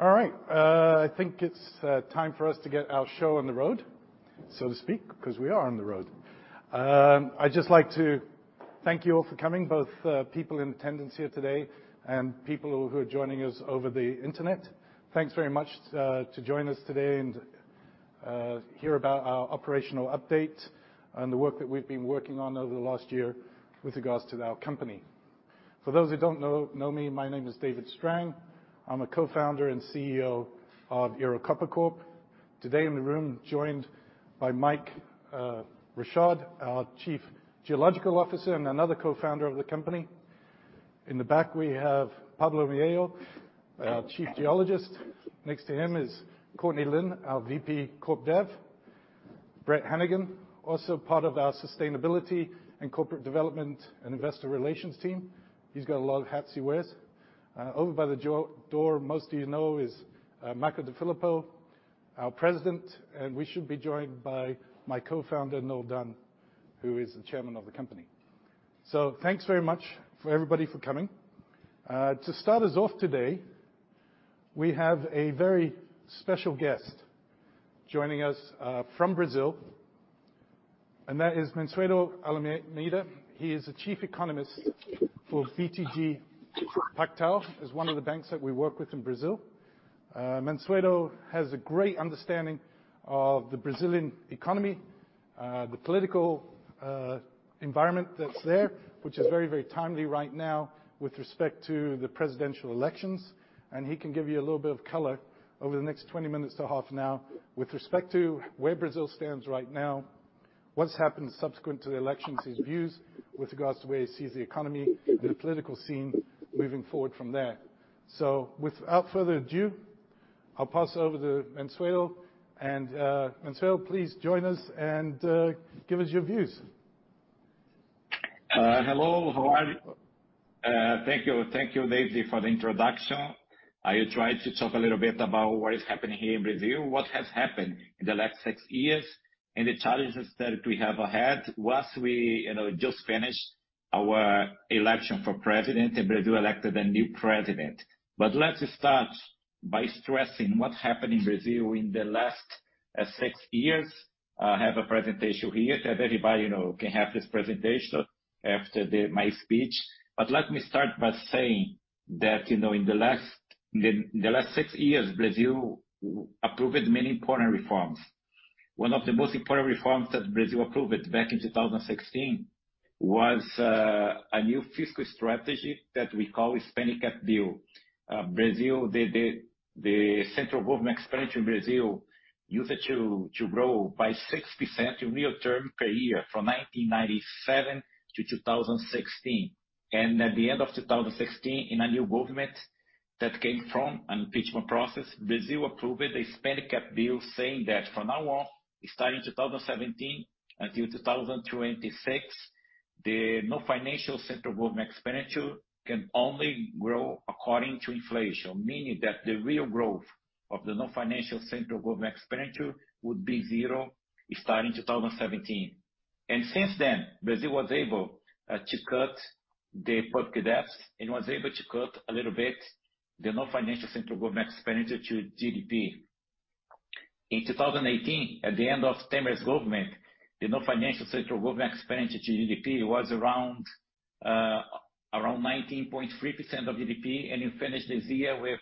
All right. I think it's time for us to get our show on the road, so to speak, 'cause we are on the road. I'd just like to thank you all for coming, both people in attendance here today and people who are joining us over the internet. Thanks very much to join us today and hear about our operational update and the work that we've been working on over the last year with regards to our company. For those who don't know me, my name is David Strang. I'm a Co-founder and CEO of Ero Copper Corp. Today in the room, joined by Mike Richard, our Chief Geological Officer and another co-founder of the company. In the back, we have Pablo Mejia, our chief geologist. Next to him is Courtney Lynn, our VP Corp Dev. Brett Hannigan, also part of our sustainability and corporate development and investor relations team. He's got a lot of hats he wears. Over by the door, most of you know is Makko DeFilippo, our President, and we should be joined by my co-founder, Noel Dunn, who is the Chairman of the company. Thanks very much for everybody for coming. To start us off today, we have a very special guest joining us from Brazil, and that is Mansueto Almeida. He is the Chief Economist for BTG Pactual. It's one of the banks that we work with in Brazil. Mansueto has a great understanding of the Brazilian economy, the political environment that's there, which is very, very timely right now with respect to the presidential elections. He can give you a little bit of color over the next 20 minutes to half an hour with respect to where Brazil stands right now, what's happened subsequent to the elections, his views with regards to where he sees the economy and the political scene moving forward from there. Without further ado, I'll pass over to Mansueto. Mansueto, please join us and give us your views. Hello. How are you? Thank you. Thank you, David, for the introduction. I try to talk a little bit about what is happening here in Brazil, what has happened in the last six years, and the challenges that we have ahead. We've just finished our election for president, and Brazil elected a new president. Let's start by stressing what happened in Brazil in the last six years. I have a presentation here that everybody, you know, can have this presentation after my speech. Let me start by saying that, you know, in the last six years, Brazil approved many important reforms. One of the most important reforms that Brazil approved back in 2016 was a new fiscal strategy that we call Spending Cap Bill. Brazil, the central government expenditure in Brazil used to grow by 6% in real terms per year from 1997 to 2016. At the end of 2016, in a new government that came from an impeachment process, Brazil approved a Spending Cap Bill saying that from now on, starting 2017 until 2026, the non-financial central government expenditure can only grow according to inflation, meaning that the real growth of the non-financial central government expenditure would be zero starting 2017. Since then, Brazil was able to cut the public debts and was able to cut a little bit the non-financial central government expenditure to GDP. In 2018, at the end of Temer's government, the non-financial central government expenditure to GDP was around 19.3% of GDP, and it finished this year with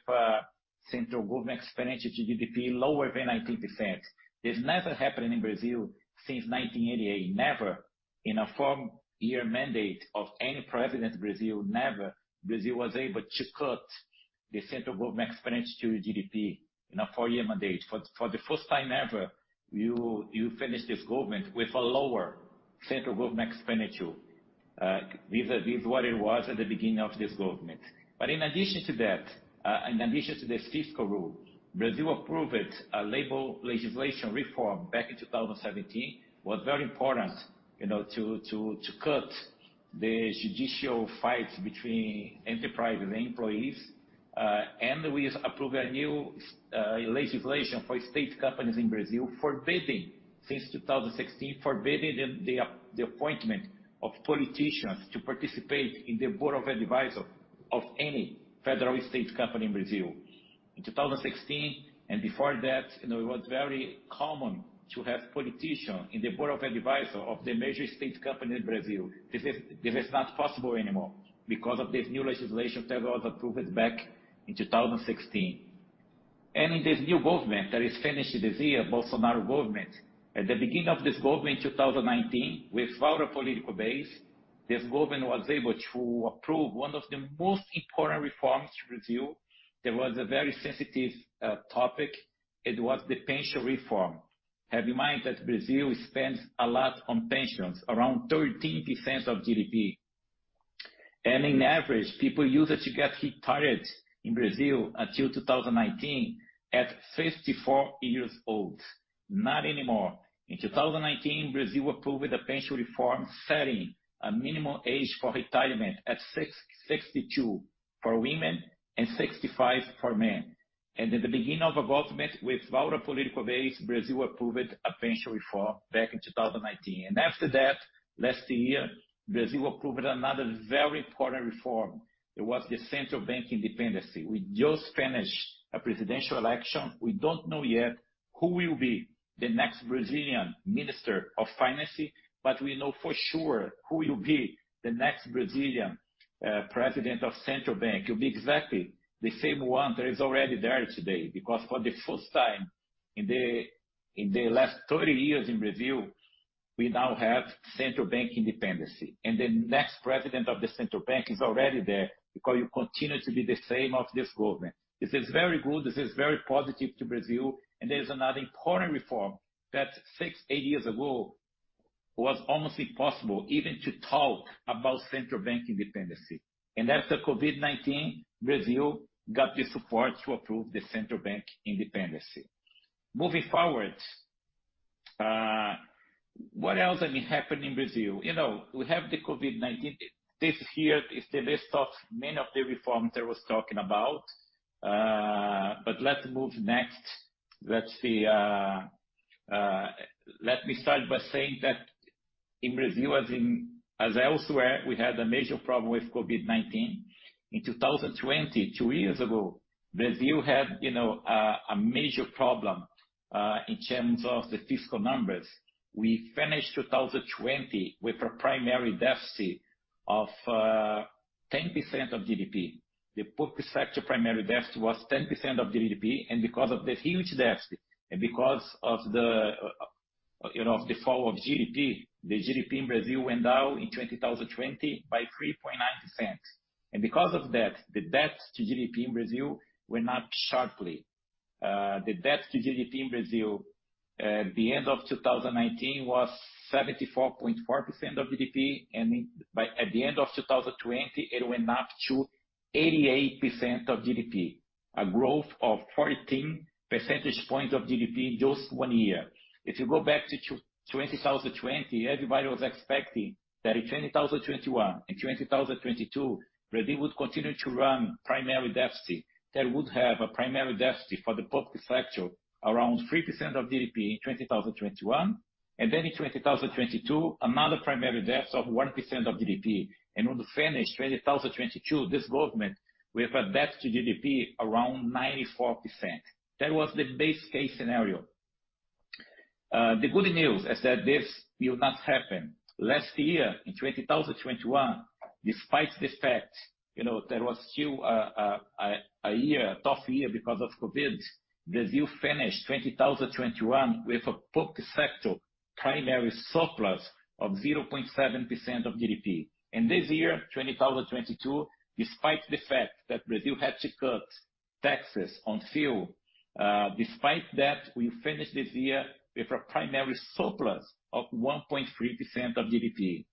central government expenditure to GDP lower than 19%. This never happened in Brazil since 1988. Never in a full year mandate of any president Brazil, never Brazil was able to cut the central government expenditure to GDP in a four-year mandate. For the first time ever, you finish this government with a lower central government expenditure. This is what it was at the beginning of this government. In addition to that, in addition to this fiscal rule, Brazil approved a labor legislation reform back in 2017. Was very important, you know, to cut the judicial fights between enterprise and employees. We approved a new legislation for state companies in Brazil, forbidding since 2016 the appointment of politicians to participate in the advisory board of any federal or state company in Brazil. In 2016 and before that, you know, it was very common to have politician in the advisory board of the major state company in Brazil. This is not possible anymore because of this new legislation that was approved back in 2016. In this new government that is finished this year, Bolsonaro government, at the beginning of this government in 2019, without a political base, this government was able to approve one of the most important reforms to Brazil. There was a very sensitive topic. It was the pension reform. Have in mind that Brazil spends a lot on pensions, around 13% of GDP. In average, people used to get retired in Brazil until 2019 at 54 years old. Not anymore. In 2019, Brazil approved the pension reform, setting a minimum age for retirement at 62 for women and 65 for men. At the beginning of a government without a political base, Brazil approved a pension reform back in 2019. After that, last year, Brazil approved another very important reform. It was the central bank independence. We just finished a presidential election. We don't know yet who will be the next Brazilian Minister of Finance? We know for sure who will be the next Brazilian president of Central Bank. will be exactly the same one that is already there today because for the first time in the last 30 years in Brazil, we now have Central Bank independence. The next president of the Central Bank is already there because it will continue to be the same of this government. This is very good. This is very positive to Brazil. There is another important reform that six, eight years ago was almost impossible even to talk about Central Bank independence. After COVID-19, Brazil got the support to approve the Central Bank independence. Moving forward, what else, I mean, happened in Brazil? You know, we have the COVID-19. This here is the list of many of the reforms that I was talking about. Let's move next. Let me start by saying that in Brazil, as elsewhere, we had a major problem with COVID-19. In 2020, two years ago, Brazil had, you know, a major problem in terms of the fiscal numbers. We finished 2020 with a primary deficit of 10% of GDP. The public sector primary deficit was 10% of GDP. Because of the huge deficit and because of you know, the fall of GDP, the GDP in Brazil went down in 2020 by 3.9%. Because of that, the debt to GDP in Brazil went up sharply. The debt to GDP in Brazil at the end of 2019 was 74.4% of GDP. At the end of 2020, it went up to 88% of GDP, a growth of 14 percentage points of GDP in just one year. If you go back to 2020, everybody was expecting that in 2021 and 2022, Brazil would continue to run primary deficit, that it would have a primary deficit for the public sector around 3% of GDP in 2021, and then in 2022, another primary deficit of 1% of GDP. At the end of 2022, this government with a debt to GDP around 94%. That was the base case scenario. The good news is that this will not happen. Last year, in 2021, despite the fact there was still a tough year because of COVID, Brazil finished 2021 with a public sector primary surplus of 0.7% of GDP. This year, 2022, despite the fact that Brazil had to cut taxes on fuel, despite that, we finished this year with a primary surplus of 1.3% of GDP.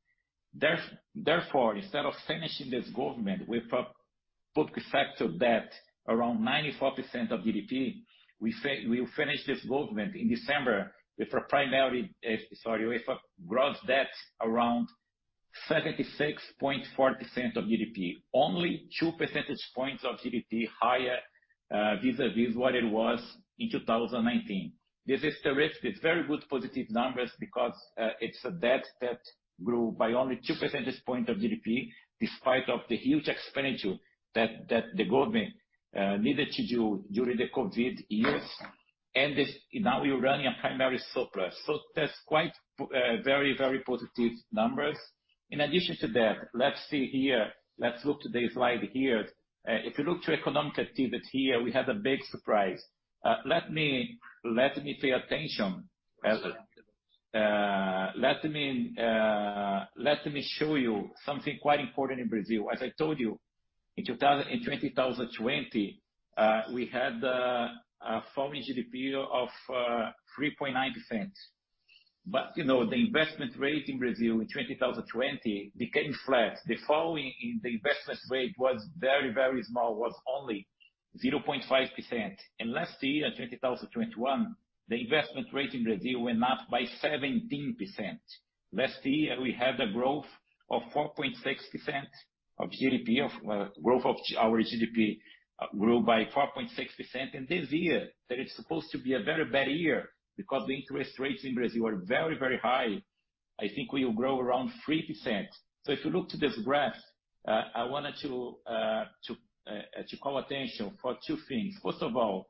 Therefore, instead of finishing this government with a public sector debt around 94% of GDP, we will finish this government in December with a gross debt around 76.4% of GDP, only two percentage points of GDP higher vis-à-vis what it was in 2019. This is terrific. It's very good, positive numbers because it's a debt that grew by only two percentage points of GDP despite the huge expenditure that the government needed to do during the COVID years. This, now we're running a primary surplus. That's quite, very, very positive numbers. In addition to that, let's see here. Let's look to the slide here. If you look to economic activity here, we had a big surprise. Let me show you something quite important in Brazil. As I told you, in 2020, we had a fall in GDP of 3.9%. You know, the investment rate in Brazil in 2020 became flat. The fall in the investment rate was very, very small, was only 0.5%. Last year, in 2021, the investment rate in Brazil went up by 17%. Last year, our GDP grew by 4.6%. This year, that is supposed to be a very bad year because the interest rates in Brazil are very, very high. I think we will grow around 3%. If you look at this graph, I wanted to call attention to two things. First of all,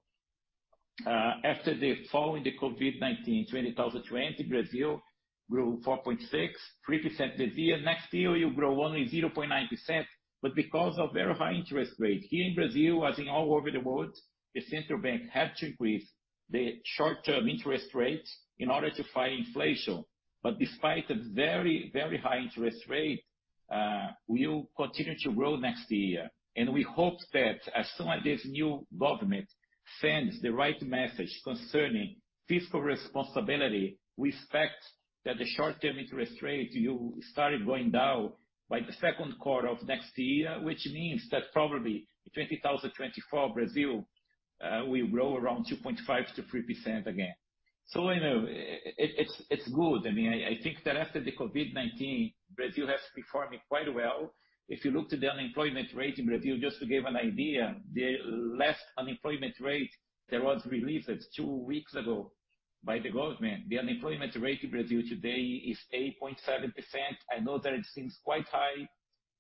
following the COVID-19 in 2020, Brazil grew 4.6, 3% this year. Next year, you grow only 0.9%. Because of very high interest rates here in Brazil, as in all over the world, the Central Bank had to increase the short-term interest rates in order to fight inflation. Despite a very, very high interest rate, we will continue to grow next year. We hope that as soon as this new government sends the right message concerning fiscal responsibility, we expect that the short-term interest rate will start going down by the second quarter of next year, which means that probably in 2024, Brazil will grow around 2.5%-3% again. You know, it's good. I mean, I think that after the COVID-19, Brazil has been performing quite well. If you look to the unemployment rate in Brazil, just to give an idea, the last unemployment rate that was released two weeks ago by the government, the unemployment rate in Brazil today is 8.7%. I know that it seems quite high.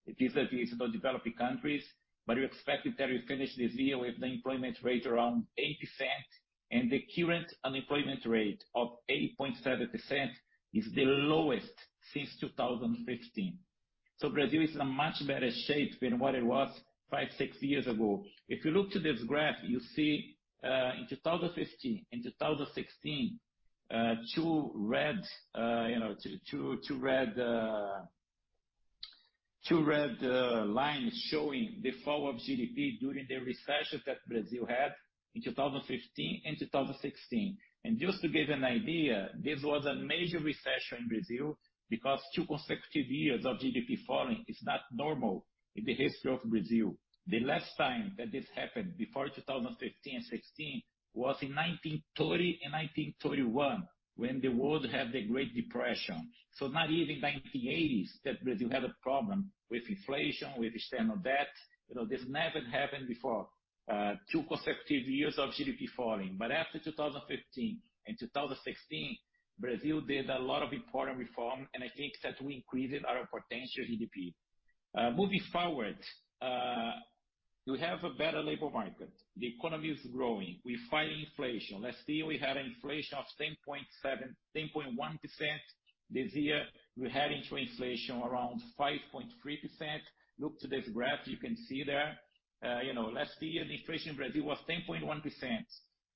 It is about developing countries, but we expected that we finish this year with the employment rate around 80% and the current unemployment rate of 8.7% is the lowest since 2015. Brazil is in a much better shape than what it was five, six years ago. If you look to this graph, you see, in 2015, in 2016, two red lines showing the fall of GDP during the recession that Brazil had in 2015 and 2016. Just to give an idea, this was a major recession in Brazil because two consecutive years of GDP falling is not normal in the history of Brazil. The last time that this happened before 2015 and 2016 was in 1930 and 1931 when the world had the Great Depression. Not even 1980s that Brazil had a problem with inflation, with external debt. You know, this never happened before, two consecutive years of GDP falling. After 2015 and 2016, Brazil did a lot of important reform, and I think that we increased our potential GDP. Moving forward, we have a better labor market. The economy is growing. We fighting inflation. Last year we had an inflation of 10.1%. This year we're heading to inflation around 5.3%. Look to this graph, you can see there, you know, last year the inflation in Brazil was 10.1%.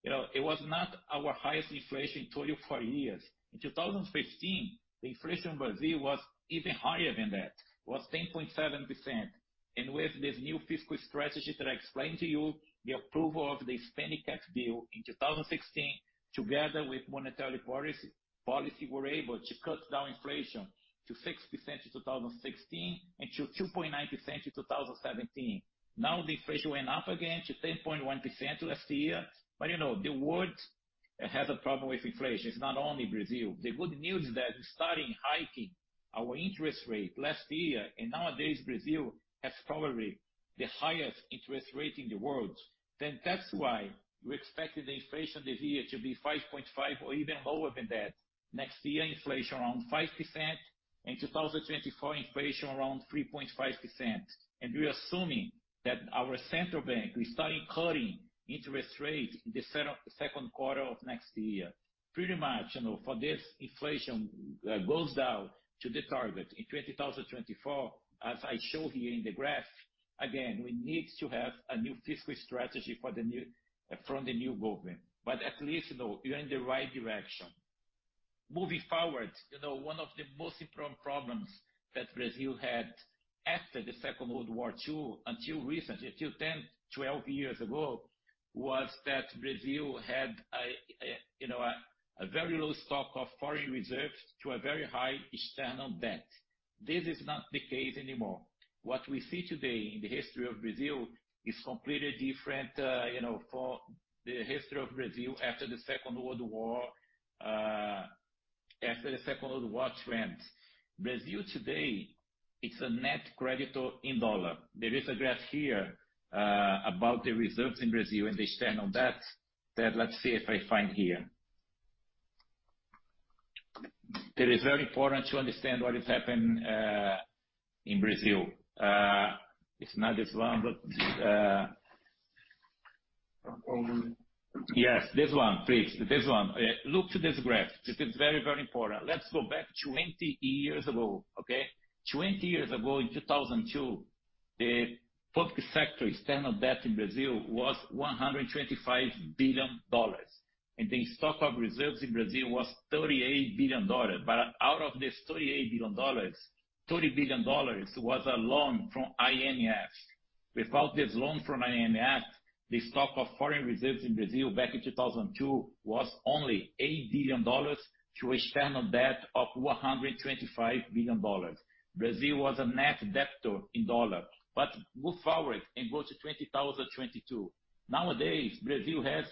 You know, it was not our highest inflation in 24 years. In 2015, the inflation in Brazil was even higher than that, was 10.7%. With this new fiscal strategy that I explained to you, the approval of the Spending Cap Bill in 2016, together with monetary policy, we're able to cut down inflation to 6% in 2016 and to 2.9% in 2017. Now the inflation went up again to 10.1% last year. You know, the world has a problem with inflation. It's not only Brazil. The good news is that we started hiking our interest rate last year, and nowadays Brazil has probably the highest interest rate in the world. That's why we expected the inflation this year to be 5.5% or even lower than that. Next year, inflation around 5%, in 2024, inflation around 3.5%. We're assuming that our central bank will start cutting interest rates in the second quarter of next year. Pretty much, you know, for this inflation goes down to the target in 2024, as I show here in the graph, again, we need to have a new fiscal strategy for the new government. At least you know, we're in the right direction. Moving forward, you know, one of the most important problems that Brazil had after the Second World War until recently, until 10, 12 years ago, was that Brazil had a very low stock of foreign reserves to a very high external debt. This is not the case anymore. What we see today in the history of Brazil is completely different, you know, for the history of Brazil after the Second World War. After the Second World War trend. Brazil today is a net creditor in dollar. There is a graph here, about the reserves in Brazil and the external debt that. Let's see if I find here. That is very important to understand what has happened in Brazil. It's not this one, but. Oh. Yes, this one, please. This one. Look to this graph. This is very, very important. Let's go back 20 years ago, okay? 20 years ago, in 2002, the public sector external debt in Brazil was $125 billion, and the stock of reserves in Brazil was $38 billion. Out of this $38 billion, $30 billion was a loan from IMF. Without this loan from IMF, the stock of foreign reserves in Brazil back in 2002 was only $8 billion to external debt of $125 billion. Brazil was a net debtor in dollar. Move forward and go to 2022. Nowadays, Brazil has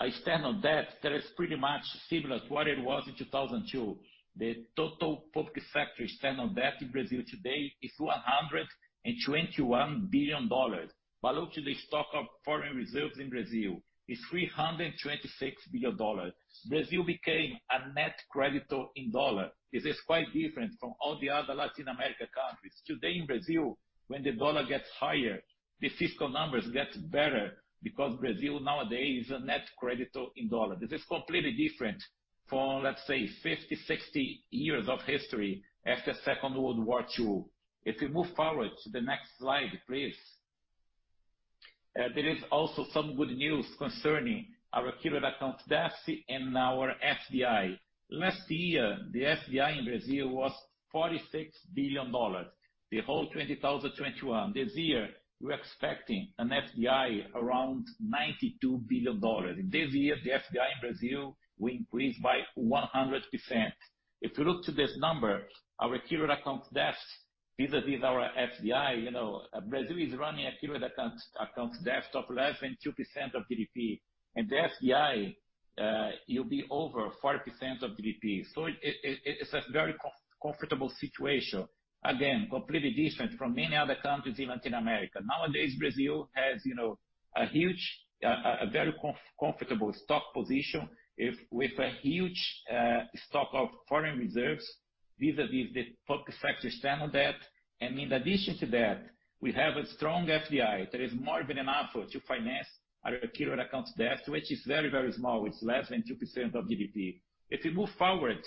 a external debt that is pretty much similar to what it was in 2002. The total public sector external debt in Brazil today is $121 billion. Look, the stock of foreign reserves in Brazil is $326 billion. Brazil became a net creditor in dollar. This is quite different from all the other Latin America countries. Today in Brazil, when the dollar gets higher, the fiscal numbers gets better because Brazil nowadays is a net creditor in dollar. This is completely different from, let's say, 50, 60 years of history after Second World War II. If we move forward to the next slide, please. There is also some good news concerning our current account deficit and our FDI. Last year, the FDI in Brazil was $46 billion, the whole 2021. This year we're expecting an FDI around $92 billion. This year, the FDI in Brazil will increase by 100%. If you look to this number, our current account deficit, vis-à-vis our FDI, Brazil is running a current account deficit of less than 2% of GDP. The FDI, it'll be over 40% of GDP. It's a very comfortable situation. Again, completely different from many other countries in Latin America. Nowadays, Brazil has a huge, a very comfortable stock position with a huge stock of foreign reserves. These are the focus sectors on that. In addition to that, we have a strong FDI. There is more than enough to finance our current account deficit, which is very, very small. It's less than 2% of GDP. If we move forward,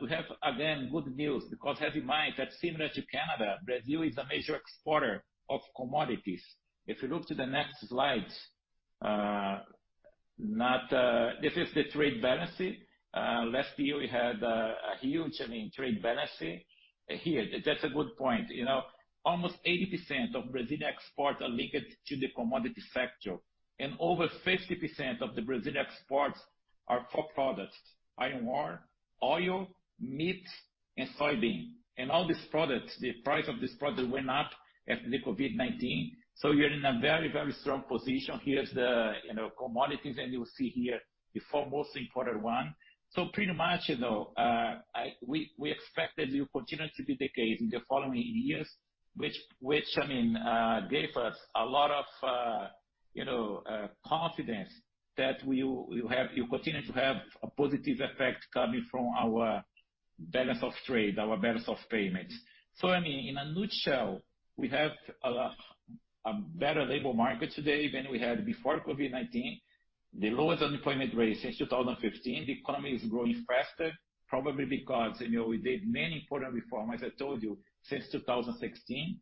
we have again good news because have in mind that similar to Canada, Brazil is a major exporter of commodities. If you look to the next slide. This is the trade balance. Last year we had a huge, I mean, trade balance here. That's a good point. You know, almost 80% of Brazilian exports are linked to the commodity sector and over 50% of the Brazilian exports are core products, iron ore, oil, meat, and soybean. All these products, the price of this product went up after the COVID-19. You're in a very, very strong position. Here's the, you know, commodities, and you'll see here the four most important one. Pretty much, you know, we expect that it will continue to be the case in the following years, which, I mean, gave us a lot of, you know, confidence that we'll continue to have a positive effect coming from our balance of trade, our balance of payments. I mean, in a nutshell, we have a better labor market today than we had before COVID-19. The lowest unemployment rate since 2015. The economy is growing faster, probably because, you know, we did many important reforms, as I told you, since 2016.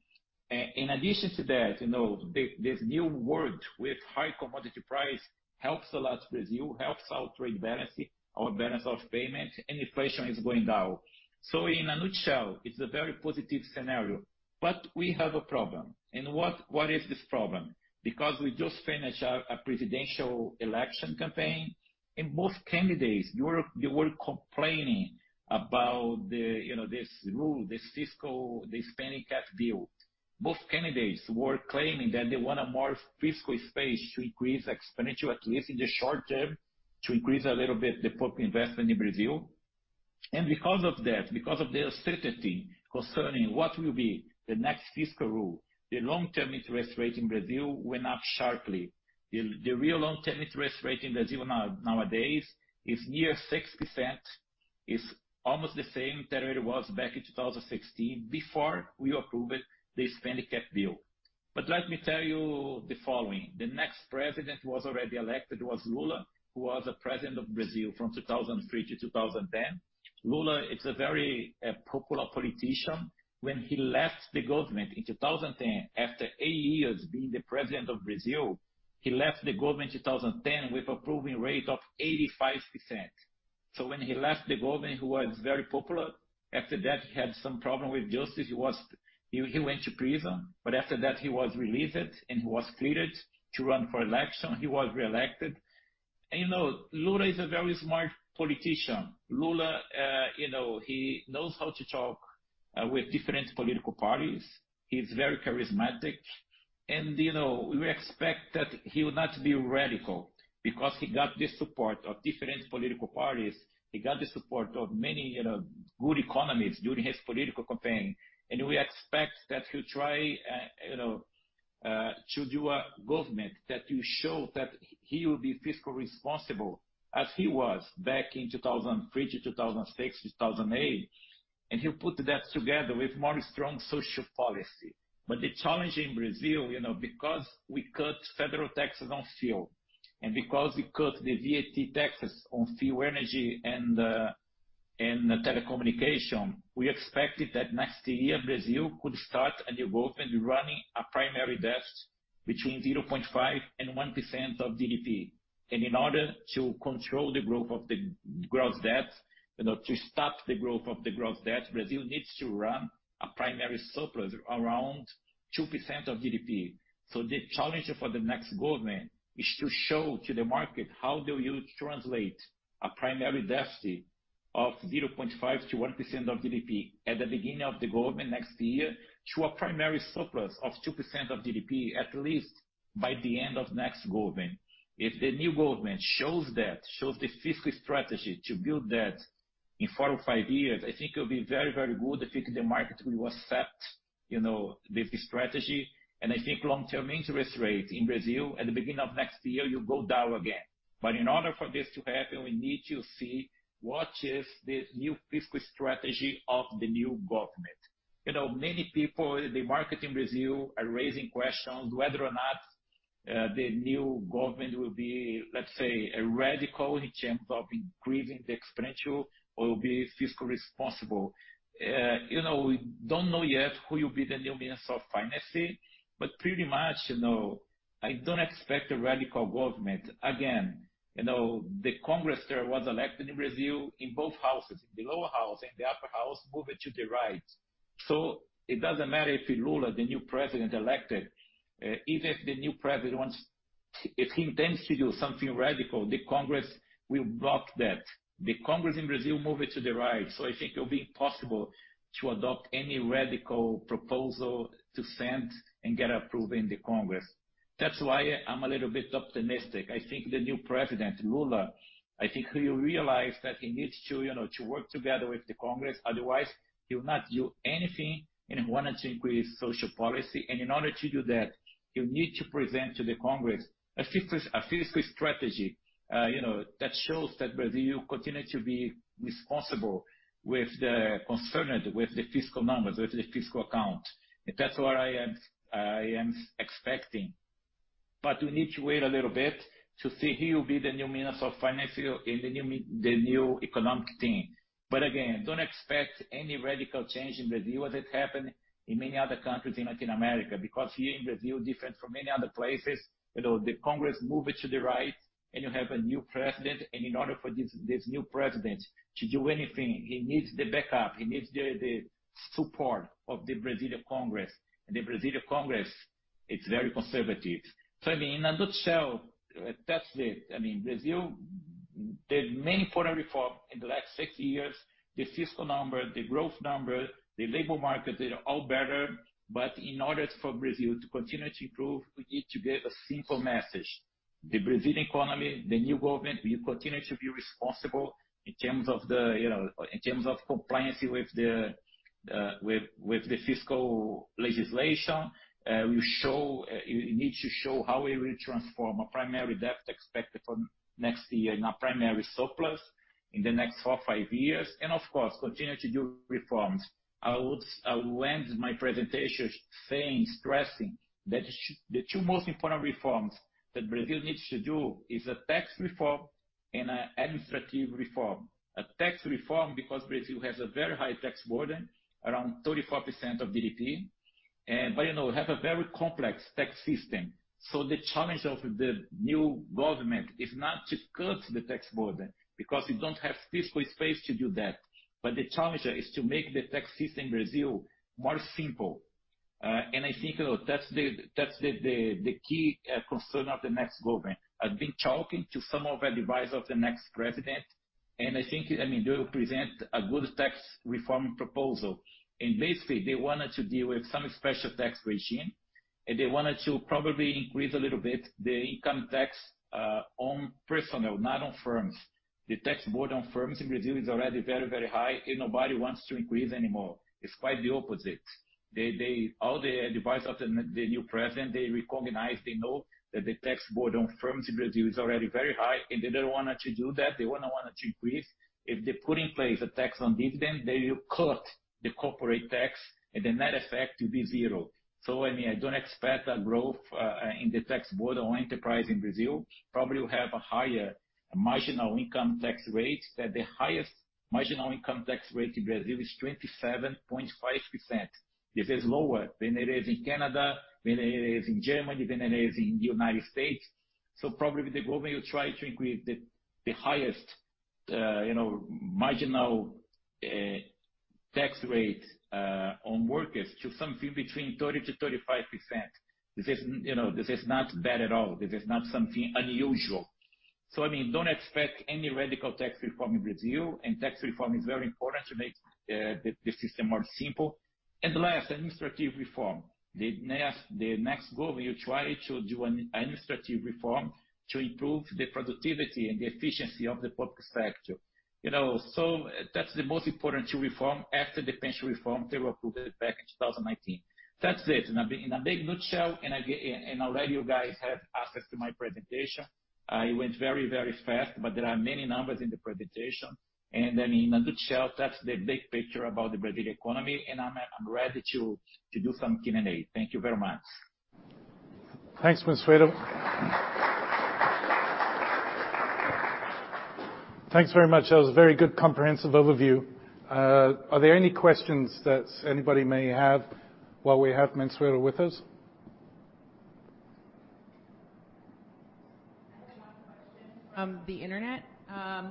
In addition to that, you know, this new world with high commodity price helps Brazil a lot, helps our trade balance, our balance of payments, and inflation is going down. In a nutshell, it's a very positive scenario. We have a problem. What is this problem? Because we just finished a presidential election campaign, and most candidates were complaining about the, you know, this rule, this fiscal, the Spending Cap Bill. Both candidates were claiming that they want a more fiscal space to increase expenditure, at least in the short term, to increase a little bit the public investment in Brazil. Because of that, because of the uncertainty concerning what will be the next fiscal rule, the long-term interest rate in Brazil went up sharply. The real long-term interest rate in Brazil nowadays is near 6%. It's almost the same that it was back in 2016 before we approved the Spending Cap Bill. Let me tell you the following. The next president who was already elected was Lula, who was the president of Brazil from 2003 to 2010. Lula is a very popular politician. When he left the government in 2010, after eight years being the president of Brazil, he left the government in 2010 with approval rating of 85%. When he left the government, he was very popular. After that, he had some problem with justice. He went to prison, but after that, he was released and he was cleared to run for election. He was reelected. You know, Lula is a very smart politician. Lula, you know, he knows how to talk with different political parties. He's very charismatic. You know, we expect that he will not be radical because he got the support of different political parties. He got the support of many, you know, good economists during his political campaign. We expect that he'll try, you know, to do a government that will show that he will be fiscally responsible as he was back in 2003 to 2006, 2008. He'll put that together with more strong social policy. The challenge in Brazil, you know, because we cut federal taxes on fuel and because we cut the VAT taxes on fuel, energy, and telecommunication, we expected that next year Brazil could start a new government running a primary deficit between 0.5% and 1% of GDP. In order to control the growth of the gross debt, you know, to stop the growth of the gross debt, Brazil needs to run a primary surplus around 2% of GDP. The challenge for the next government is to show to the market how do you translate a primary deficit of 0.5%-1% of GDP at the beginning of the government next year to a primary surplus of 2% of GDP, at least by the end of next government. If the new government shows that, shows the fiscal strategy to build that in 4 or 5 years, I think it'll be very, very good. I think the market will accept, you know, the strategy. I think long-term interest rate in Brazil at the beginning of next year will go down again. In order for this to happen, we need to see what is the new fiscal strategy of the new government. You know, many people, the market in Brazil are raising questions whether or not, the new government will be, let's say, a radical in terms of increasing the expenditure or will be fiscal responsible. You know, we don't know yet who will be the new minister of finance, but pretty much, you know, I don't expect a radical government. Again, you know, the congress there was elected in Brazil in both houses, the lower house and the upper house, moved to the right. So it doesn't matter if Lula, the new president elected, even if the new president intends to do something radical, the Congress will block that. The Congress in Brazil moved to the right, so I think it will be impossible to adopt any radical proposal to send and get approved in the Congress. That's why I'm a little bit optimistic. I think the new president, Lula, I think he will realize that he needs to, you know, to work together with the Congress. Otherwise, he'll not do anything. He wanted to increase social policy, and in order to do that, he'll need to present to the Congress a fiscal strategy, you know, that shows that Brazil continue to be responsible, concerned with the fiscal numbers, with the fiscal account. That's what I am expecting. But we need to wait a little bit to see who will be the new Minister of Finance and the new economic team. Again, don't expect any radical change in Brazil that happened in many other countries in Latin America, because here in Brazil, different from many other places, you know, the Congress moved to the right, and you have a new president, and in order for this new president to do anything, he needs the backup, he needs the support of the Brazilian Congress. The Brazilian Congress, it's very conservative. I mean, in a nutshell, that's it. I mean, Brazil did many reforms in the last six years. The fiscal number, the growth number, the labor market, they are all better. In order for Brazil to continue to improve, we need to give a simple message. The Brazilian economy, the new government will continue to be responsible in terms of the, you know, in terms of compliance with the fiscal legislation. We show you need to show how we will transform a primary deficit expected for next year in a primary surplus in the next four, five years, and of course, continue to do reforms. I will end my presentation saying, stressing that the two most important reforms that Brazil needs to do is a tax reform and administrative reform. A tax reform because Brazil has a very high tax burden, around 34% of GDP. You know, we have a very complex tax system. The challenge of the new government is not to cut the tax burden because we don't have fiscal space to do that. The challenge is to make the tax system in Brazil more simple. I think that's the key concern of the next government. I've been talking to some of the advisors of the next president, and I think, I mean, they will present a good tax reform proposal. Basically, they wanted to deal with some special tax regime, and they wanted to probably increase a little bit the income tax on personal, not on firms. The tax burden on firms in Brazil is already very, very high, and nobody wants to increase anymore. It's quite the opposite. All the advisors of the new president, they recognize, they know that the tax burden on firms in Brazil is already very high, and they don't wanna to do that. They wanna to increase. If they put in place a tax on dividend, they will cut the corporate tax and the net effect to be zero. I mean, I don't expect a growth in the tax burden on enterprise in Brazil. Probably will have a higher marginal income tax rate than the highest marginal income tax rate in Brazil is 27.5%. This is lower than it is in Canada, than it is in Germany, than it is in United States. Probably the government will try to increase the highest, you know, marginal tax rate on workers to something between 30%-35%. This is, you know, this is not bad at all. This is not something unusual. I mean, don't expect any radical tax reform in Brazil, and tax reform is very important to make the system more simple. And last, administrative reform. The next government will try to do an administrative reform to improve the productivity and the efficiency of the public sector. You know, that's the most important two reforms after the pension reform they were approved back in 2019. That's it. In a big nutshell, and I'll let you guys have access to my presentation. I went very fast, but there are many numbers in the presentation. Then in a nutshell, that's the big picture about the Brazilian economy, and I'm ready to do some Q&A. Thank you very much. Thanks, Mansueto. Thanks very much. That was a very good comprehensive overview. Are there any questions that anybody may have while we have Mansueto with us? I have one question from the internet.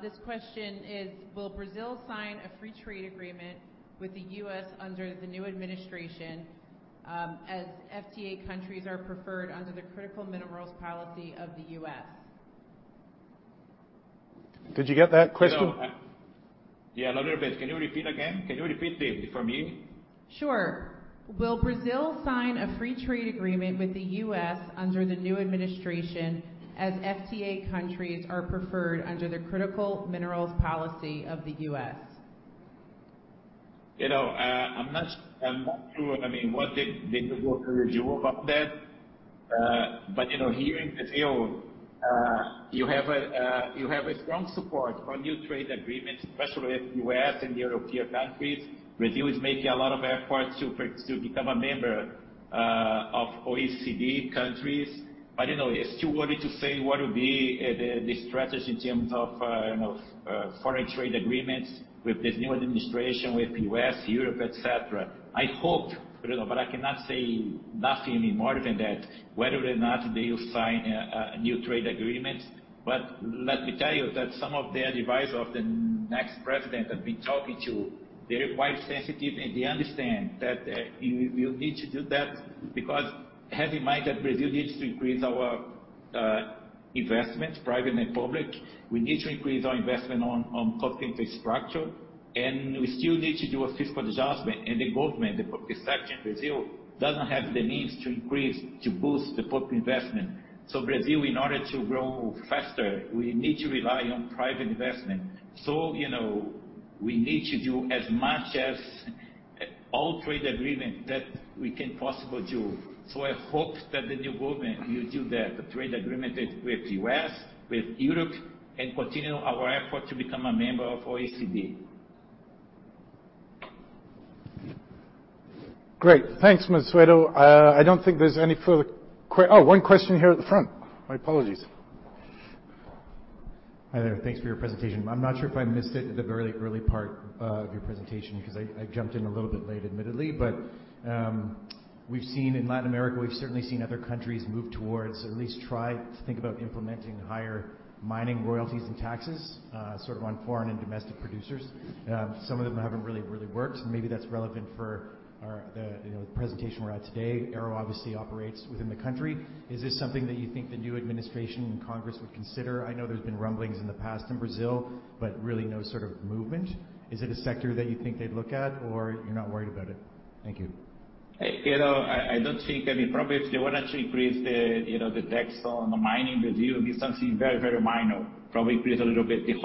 This question is, will Brazil sign a free trade agreement with the U.S. under the new administration, as FTA countries are preferred under the critical minerals policy of the U.S.? Did you get that question? No. Yeah, a little bit. Can you repeat again? Can you repeat please for me? Sure. Will Brazil sign a free trade agreement with the U.S. under the new administration as FTA countries are preferred under the critical minerals policy of the U.S.? You know, I'm not sure, I mean, what the result will look like there. You know, here in Brazil, you have a strong support for new trade agreements, especially with U.S. and European countries. Brazil is making a lot of efforts to become a member of OECD countries. You know, it's too early to say what would be the strategy in terms of, you know, foreign trade agreements with this new administration, with U.S., Europe, et cetera. I hope, you know, but I cannot say nothing any more than that, whether or not they will sign a new trade agreement. Let me tell you that some of the advisors of the next president I've been talking to, they're quite sensitive, and they understand that you need to do that because have in mind that Brazil needs to increase our investment, private and public. We need to increase our investment on corporate infrastructure, and we still need to do a fiscal adjustment. The government, the public sector in Brazil doesn't have the means to boost the public investment. Brazil, in order to grow faster, we need to rely on private investment. You know, we need to do as many trade agreements as we can possibly do. I hope that the new government will do that, the trade agreements with U.S., with Europe, and continue our effort to become a member of OECD. Great. Thanks, Mansueto. I don't think there's any further. Oh, one question here at the front. My apologies. Hi, there. Thanks for your presentation. I'm not sure if I missed it at the very early part of your presentation because I jumped in a little bit late, admittedly. We've seen in Latin America, we've certainly seen other countries move towards, or at least try to think about implementing higher mining royalties and taxes, sort of on foreign and domestic producers. Some of them haven't really worked, and maybe that's relevant for the, you know, the presentation we're at today. Ero obviously operates within the country. Is this something that you think the new administration and Congress would consider? I know there's been rumblings in the past in Brazil, but really no sort of movement. Is it a sector that you think they'd look at, or you're not worried about it? Thank you. You know, I don't think any problems. They want to increase the tax on mining in Brazil will be something very, very minor. Probably increase a little bit the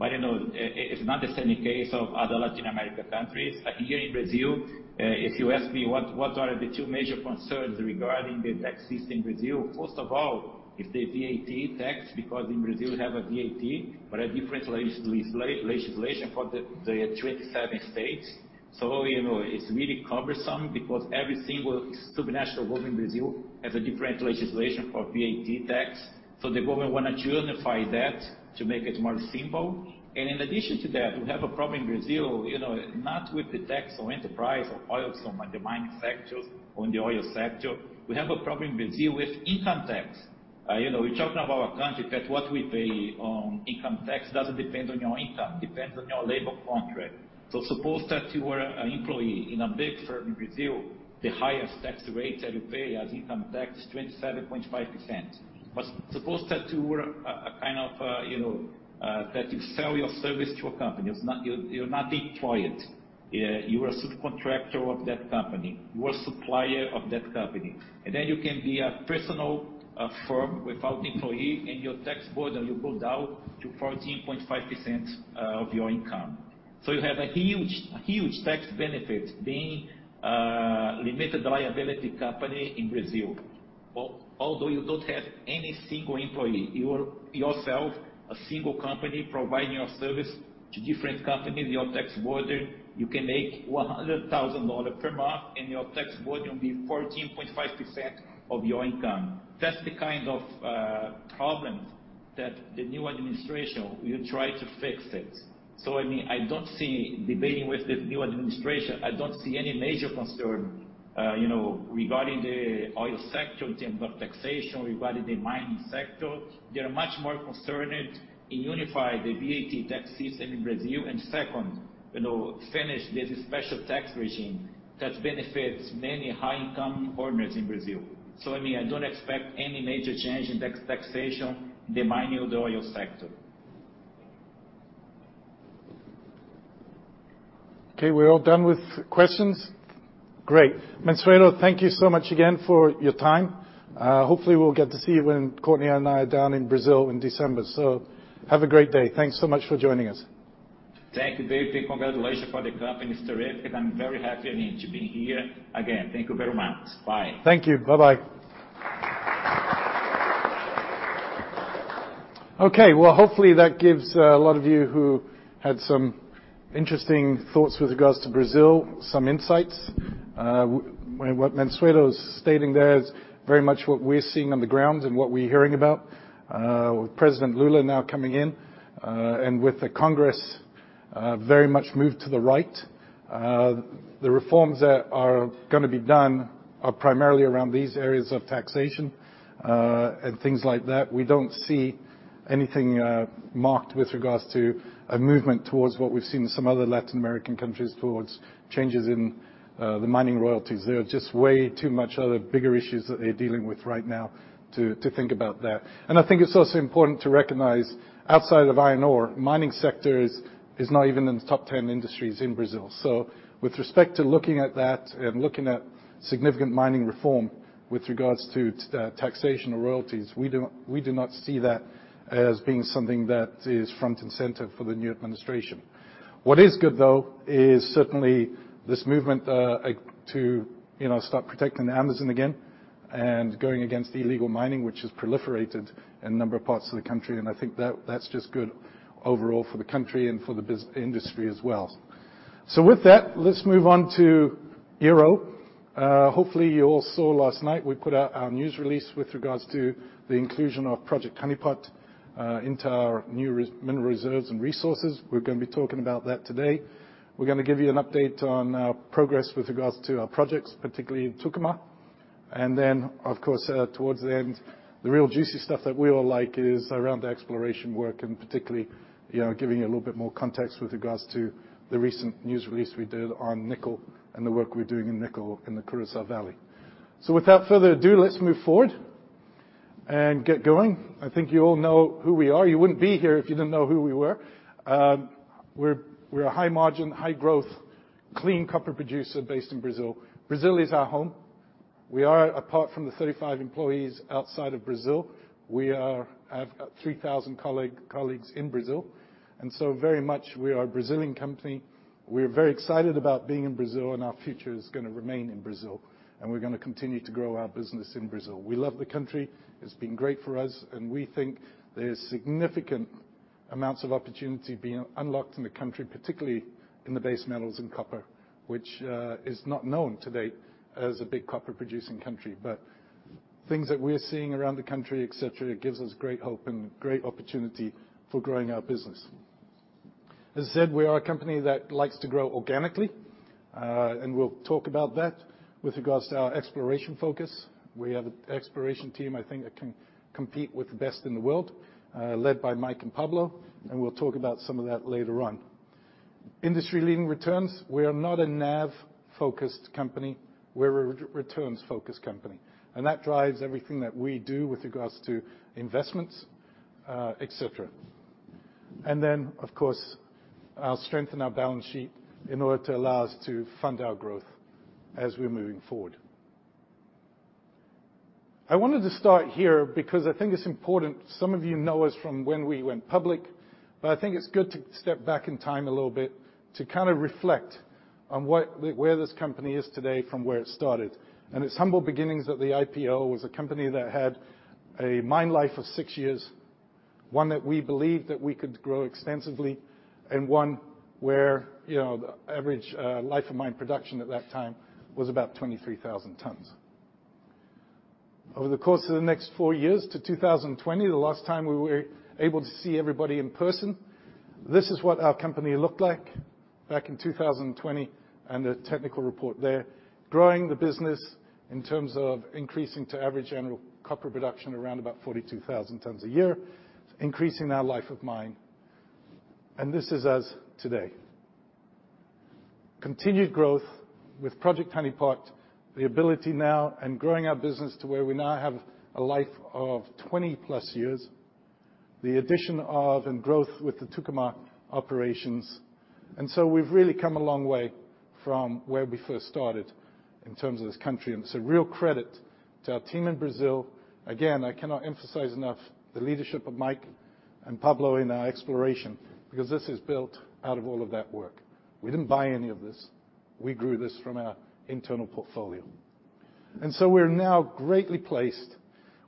royalties. You know, it's not the same case as other Latin American countries. Like, here in Brazil, if you ask me what are the two major concerns regarding the tax system in Brazil, first of all, is the VAT tax, because in Brazil we have a VAT, but a different legislation for the 27 states. You know, it's really cumbersome because every single sub-national government in Brazil has a different legislation for VAT tax. The government wants to unify that to make it more simple. In addition to that, we have a problem in Brazil, you know, not with the tax or enterprise or oils or the mining sectors or in the oil sector. We have a problem in Brazil with income tax. You know, we're talking about a country that what we pay on income tax doesn't depend on your income, depends on your labor contract. Suppose that you were an employee in a big firm in Brazil, the highest tax rate that you pay as income tax is 27.5%. But suppose that you were a kind of, you know, that you sell your service to a company. It's not. You're not employed. You're a subcontractor of that company. You're a supplier of that company. Then you can be a personal firm without employee, and your tax burden will go down to 14.5% of your income. You have a huge tax benefit being a limited liability company in Brazil. Although you don't have any single employee, you're yourself a single company providing your service to different companies, your tax burden, you can make $100,000 per month, and your tax burden will be 14.5% of your income. That's the kind of problems that the new administration will try to fix it. I mean, I don't see debating with the new administration. I don't see any major concern, you know, regarding the oil sector in terms of taxation, regarding the mining sector. They are much more concerned with unifying the VAT tax system in Brazil, and second, you know, finishing this special tax regime that benefits many high-income earners in Brazil. I mean, I don't expect any major change in taxation in the mining or the oil sector. Okay, we're all done with questions? Great. Mansueto, thank you so much again for your time. Hopefully we'll get to see you when Courtney and I are down in Brazil in December. Have a great day. Thanks so much for joining us. Thank you, David, and congratulations for the company. It's terrific. I'm very happy, I mean, to be here again. Thank you very much. Bye. Thank you. Bye-bye. Okay, well, hopefully that gives a lot of you who had some interesting thoughts with regards to Brazil some insights. What Mansueto's stating there is very much what we're seeing on the ground and what we're hearing about with President Lula now coming in and with the Congress very much moved to the right. The reforms that are gonna be done are primarily around these areas of taxation and things like that. We don't see anything marked with regards to a movement towards what we've seen in some other Latin American countries towards changes in the mining royalties. There are just way too much other bigger issues that they're dealing with right now to think about that. I think it's also important to recognize, outside of iron ore, mining sector is not even in the top ten industries in Brazil. With respect to looking at that and looking at significant mining reform with regards to taxation or royalties, we do not see that as being something that is front and center for the new administration. What is good, though, is certainly this movement, to, you know, start protecting the Amazon again and going against illegal mining, which has proliferated in a number of parts of the country. I think that's just good overall for the country and for the industry as well. With that, let's move on to Ero. Hopefully you all saw last night we put out our news release with regards to the inclusion of Project Honeypot into our new mineral reserves and resources. We're gonna be talking about that today. We're gonna give you an update on our progress with regards to our projects, particularly in Tucumã. Then, of course, towards the end, the real juicy stuff that we all like is around the exploration work and particularly, you know, giving you a little bit more context with regards to the recent news release we did on nickel and the work we're doing in nickel in the Curaçá Valley. Without further ado, let's move forward and get going. I think you all know who we are. You wouldn't be here if you didn't know who we were. We're a high-margin, high-growth, clean copper producer based in Brazil. Brazil is our home. We have, apart from the 35 employees outside of Brazil, 3,000 colleagues in Brazil. Very much we are a Brazilian company. We're very excited about being in Brazil, and our future is gonna remain in Brazil, and we're gonna continue to grow our business in Brazil. We love the country. It's been great for us, and we think there's significant amounts of opportunity being unlocked in the country, particularly in the base metals and copper, which is not known to date as a big copper producing country. Things that we're seeing around the country, et cetera, it gives us great hope and great opportunity for growing our business. As I said, we are a company that likes to grow organically, and we'll talk about that with regards to our exploration focus. We have an exploration team I think that can compete with the best in the world, led by Mike and Pablo, and we'll talk about some of that later on. Industry-leading returns. We are not a NAV-focused company. We're a returns-focused company, and that drives everything that we do with regards to investments, et cetera. Of course, I'll strengthen our balance sheet in order to allow us to fund our growth as we're moving forward. I wanted to start here because I think it's important. Some of you know us from when we went public, but I think it's good to step back in time a little bit to kind of reflect on where this company is today from where it started. Its humble beginnings at the IPO was a company that had a mine life of six years, one that we believed that we could grow extensively and one where, you know, the average life of mine production at that time was about 23,000 tons. Over the course of the next four years to 2020, the last time we were able to see everybody in person, this is what our company looked like back in 2020 and the technical report there, growing the business in terms of increasing to average annual copper production around about 42,000 tons a year, increasing our life of mine. This is us today. Continued growth with Project Honeypot, the ability now and growing our business to where we now have a life of 20+ years, the addition of and growth with the Tucumã operations. We've really come a long way from where we first started in terms of this country. It's a real credit to our team in Brazil. Again, I cannot emphasize enough the leadership of Mike and Pablo in our exploration because this is built out of all of that work. We didn't buy any of this. We grew this from our internal portfolio. We're now greatly placed.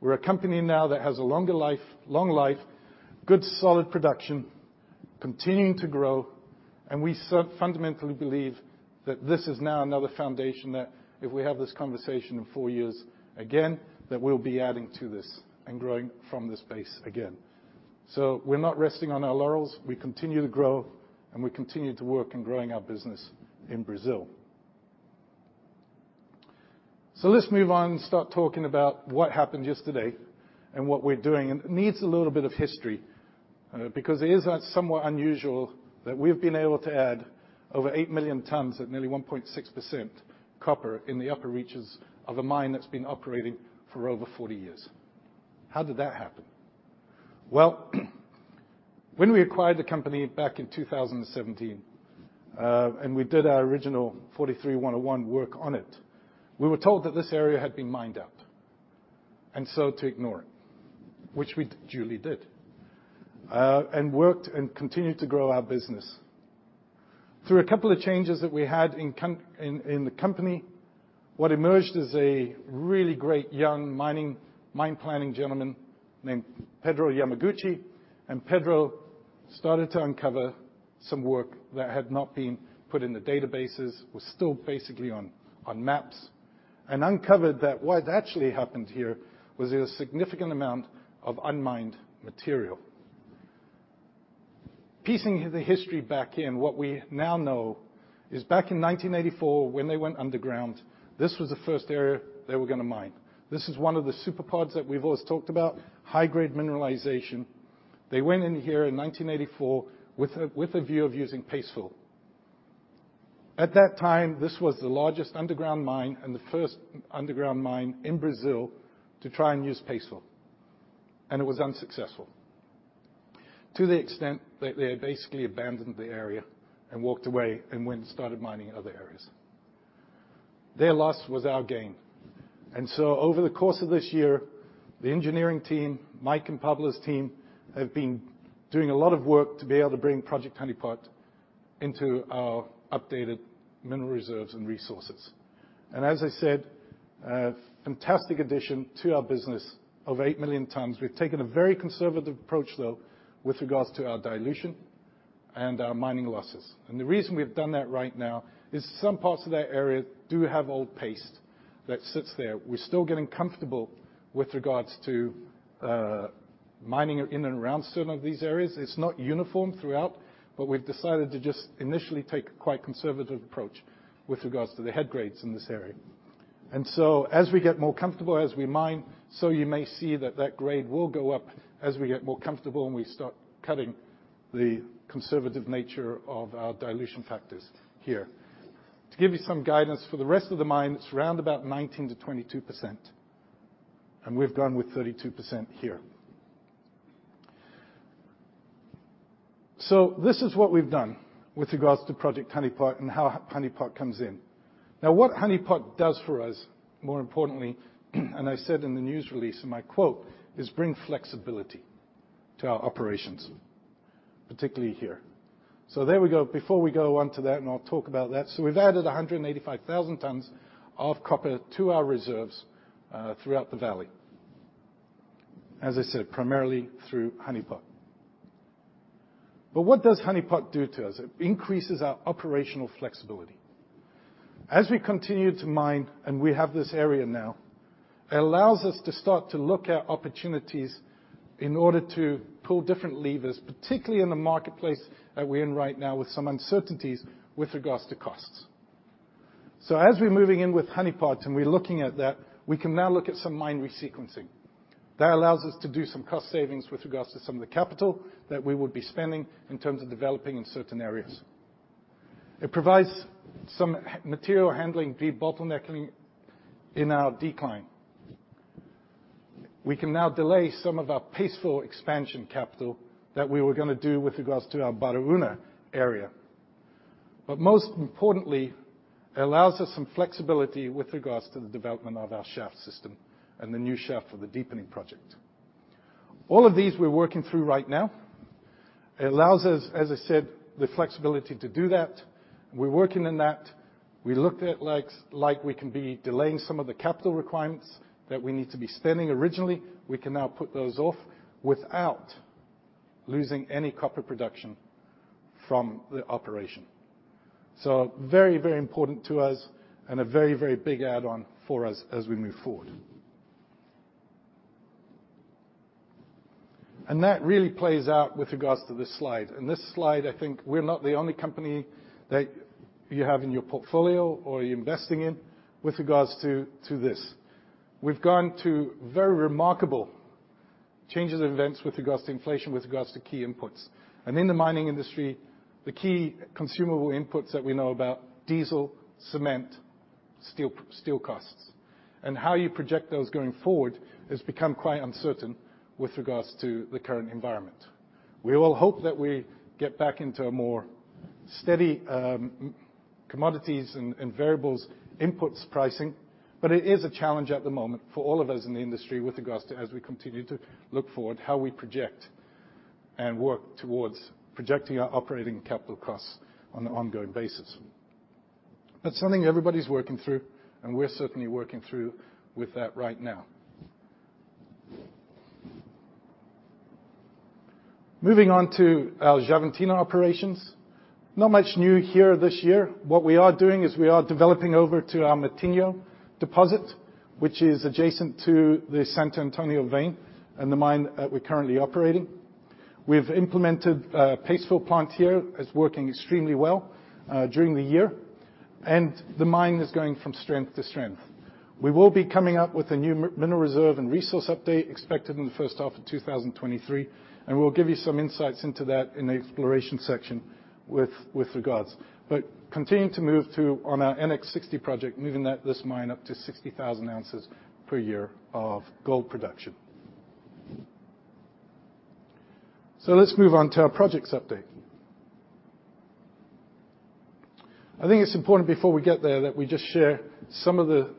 We're a company now that has a long life, good solid production, continuing to grow, and we fundamentally believe that this is now another foundation that if we have this conversation in four years again, that we'll be adding to this and growing from this base again. We're not resting on our laurels. We continue to grow, and we continue to work in growing our business in Brazil. Let's move on and start talking about what happened yesterday and what we're doing. It needs a little bit of history, because it is, somewhat unusual that we've been able to add over eight million tons at nearly 1.6% copper in the upper reaches of a mine that's been operating for over 40 years. How did that happen? Well, when we acquired the company back in 2017, and we did our original 43-101 work on it, we were told that this area had been mined out, and so to ignore it, which we duly did, and worked and continued to grow our business. Through a couple of changes that we had in the company, what emerged is a really great young mine planning gentleman named Pedro Yamaguchi, and Pedro started to uncover some work that had not been put in the databases, was still basically on maps, and uncovered that what actually happened here was a significant amount of unmined material. Piecing the history back in, what we now know is back in 1984, when they went underground, this was the first area they were gonna mine. This is one of the super pods that we've always talked about, high grade mineralization. They went in here in 1984 with a view of using paste fill. At that time, this was the largest underground mine and the first underground mine in Brazil to try and use paste fill, and it was unsuccessful to the extent that they basically abandoned the area and walked away and went and started mining other areas. Their loss was our gain. Over the course of this year, the engineering team, Mike and Pablo's team, have been doing a lot of work to be able to bring Project Honeypot into our updated mineral reserves and resources. As I said, a fantastic addition to our business of eight million tons. We've taken a very conservative approach, though, with regards to our dilution and our mining losses. The reason we've done that right now is some parts of that area do have old paste that sits there. We're still getting comfortable with regards to mining in and around some of these areas. It's not uniform throughout, but we've decided to just initially take a quite conservative approach with regards to the head grades in this area. As we get more comfortable, as we mine, you may see that grade will go up as we get more comfortable and we start cutting the conservative nature of our dilution factors here. To give you some guidance for the rest of the mine, it's around about 19%-22%, and we've gone with 32% here. This is what we've done with regards to Project Honeypot and how Honeypot comes in. Now, what Honeypot does for us, more importantly, and I said in the news release in my quote, is bring flexibility to our operations, particularly here. There we go. Before we go on to that, and I'll talk about that. We've added 185,000 tons of copper to our reserves, throughout the valley. As I said, primarily through Honeypot. What does Honeypot do to us? It increases our operational flexibility. As we continue to mine, and we have this area now, it allows us to start to look at opportunities in order to pull different levers, particularly in the marketplace that we're in right now with some uncertainties with regards to costs. As we're moving in with Honeypot and we're looking at that, we can now look at some mine resequencing. That allows us to do some cost savings with regards to some of the capital that we would be spending in terms of developing in certain areas. It provides some material handling debottlenecking in our decline. We can now delay some of our Pilar expansion capital that we were gonna do with regards to our Baraúna area. Most importantly, it allows us some flexibility with regards to the development of our shaft system and the new shaft for the deepening project. All of these we're working through right now. It allows us, as I said, the flexibility to do that. We're working in that. We looked at like we can be delaying some of the capital requirements that we need to be spending originally. We can now put those off without losing any copper production from the operation. Very, very important to us and a very, very big add-on for us as we move forward. That really plays out with regards to this slide. This slide, I think we're not the only company that you have in your portfolio or you're investing in with regards to this. We've gone to very remarkable changes and events with regards to inflation, with regards to key inputs. In the mining industry, the key consumable inputs that we know about diesel, cement, steel costs. How you project those going forward has become quite uncertain with regards to the current environment. We all hope that we get back into a more steady commodities and variables inputs pricing, but it is a challenge at the moment for all of us in the industry with regards to as we continue to look forward how we project and work towards projecting our operating capital costs on an ongoing basis. That's something everybody's working through, and we're certainly working through with that right now. Moving on to our Xavantina operations. Not much new here this year. What we are doing is we are developing over to our Matinho deposit, which is adjacent to the Santo Antonio vein and the mine that we're currently operating. We've implemented a paste fill plant here. It's working extremely well during the year, and the mine is going from strength to strength. We will be coming up with a new mineral reserve and resource update expected in the first half of 2023, and we'll give you some insights into that in the exploration section with regards. Continuing to move on to our NX60 project, moving this mine up to 60,000 ounces per year of gold production. Let's move on to our projects update. I think it's important before we get there that we just share some of the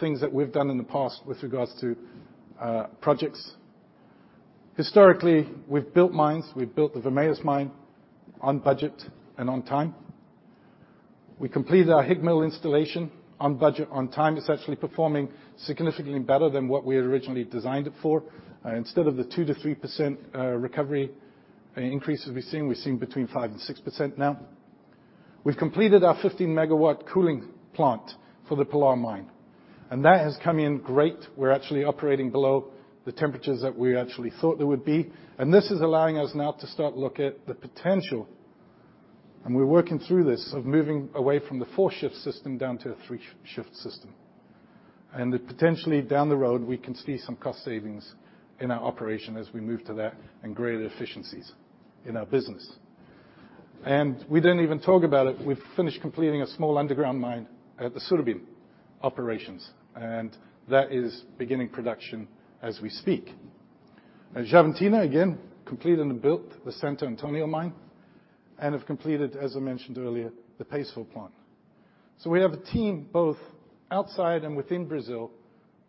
things that we've done in the past with regards to projects. Historically, we've built mines. We've built the Vermelhos mine on budget and on time. We completed our HIGmill installation on budget, on time. It's actually performing significantly better than what we originally designed it for. Instead of the 2%-3% recovery increase that we've seen, we've seen between 5% and 6% now. We've completed our 15MW cooling plant for the Pilar Mine, and that has come in great. We're actually operating below the temperatures that we actually thought there would be, and this is allowing us now to start look at the potential, and we're working through this, of moving away from the four-shift system down to a three-shift system. Potentially down the road, we can see some cost savings in our operation as we move to that and greater efficiencies in our business. We didn't even talk about it. We've finished completing a small underground mine at the Surubim operations, and that is beginning production as we speak. At Xavantina, again, completed and built the Santo Antonio mine and have completed, as I mentioned earlier, the paste fill plant. We have a team both outside and within Brazil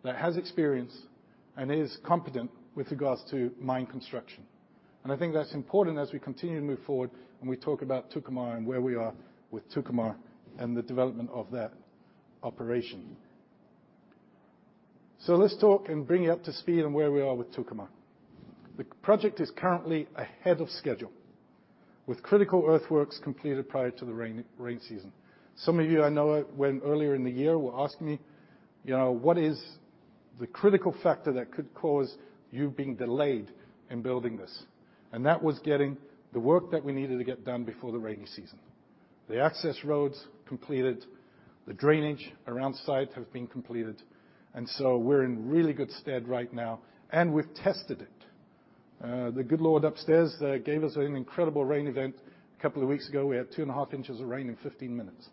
that has experience and is competent with regards to mine construction. I think that's important as we continue to move forward and we talk about Tucumã and where we are with Tucumã and the development of that operation. Let's talk and bring you up to speed on where we are with Tucumã. The project is currently ahead of schedule, with critical earthworks completed prior to the rainy season. Some of you, I know when earlier in the year were asking me, you know, what is the critical factor that could cause you being delayed in building this? That was getting the work that we needed to get done before the rainy season. The access roads completed, the drainage around site have been completed, and so we're in really good stead right now, and we've tested it. The good Lord upstairs gave us an incredible rain event a couple of weeks ago. We had 2.5 inches of rain in 15 minutes.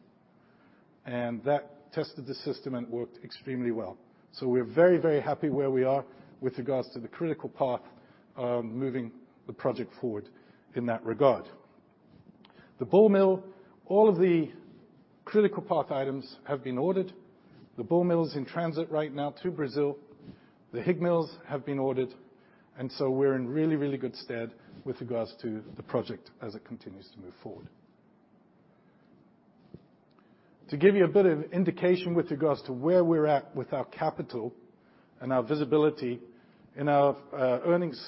That tested the system and it worked extremely well. We're very, very happy where we are with regards to the critical path of moving the project forward in that regard. The ball mill, all of the critical path items have been ordered. The ball mill is in transit right now to Brazil. The HIG mills have been ordered, and we're in really, really good stead with regards to the project as it continues to move forward. To give you a bit of indication with regards to where we're at with our capital and our visibility, in our earnings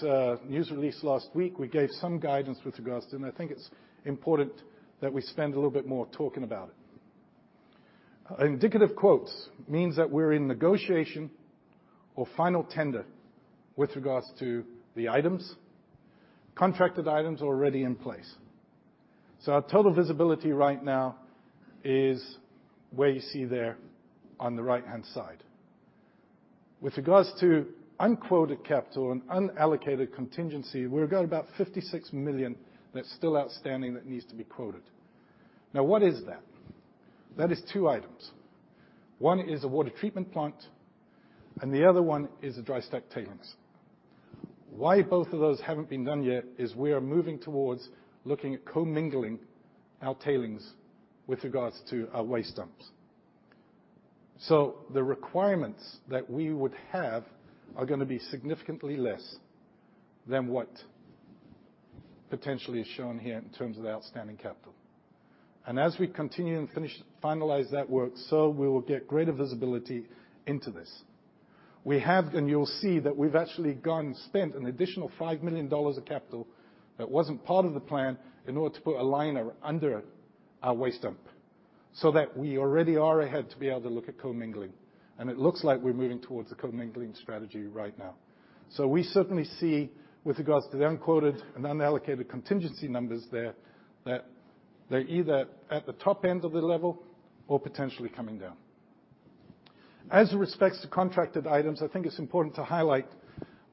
news release last week, we gave some guidance with regards to, and I think it's important that we spend a little bit more talking about it. Indicative quotes means that we're in negotiation or final tender with regards to the items. Contracted items are already in place. Our total visibility right now is where you see there on the right-hand side. With regards to unquoted capital and unallocated contingency, we've got about $56 million that's still outstanding that needs to be quoted. Now, what is that? That is two items. One is a water treatment plant, and the other one is a dry stack tailings. Why both of those haven't been done yet is we are moving towards looking at co-mingling our tailings with regards to our waste dumps. So the requirements that we would have are gonna be significantly less than what potentially is shown here in terms of the outstanding capital. As we continue and finalize that work, so we will get greater visibility into this. We have, and you'll see, that we've actually gone and spent an additional $5 million of capital that wasn't part of the plan in order to put a liner under our waste dump, so that we already are ahead to be able to look at co-mingling. It looks like we're moving towards a co-mingling strategy right now. We certainly see, with regards to the unquoted and unallocated contingency numbers there, that they're either at the top end of the level or potentially coming down. As it respects to contracted items, I think it's important to highlight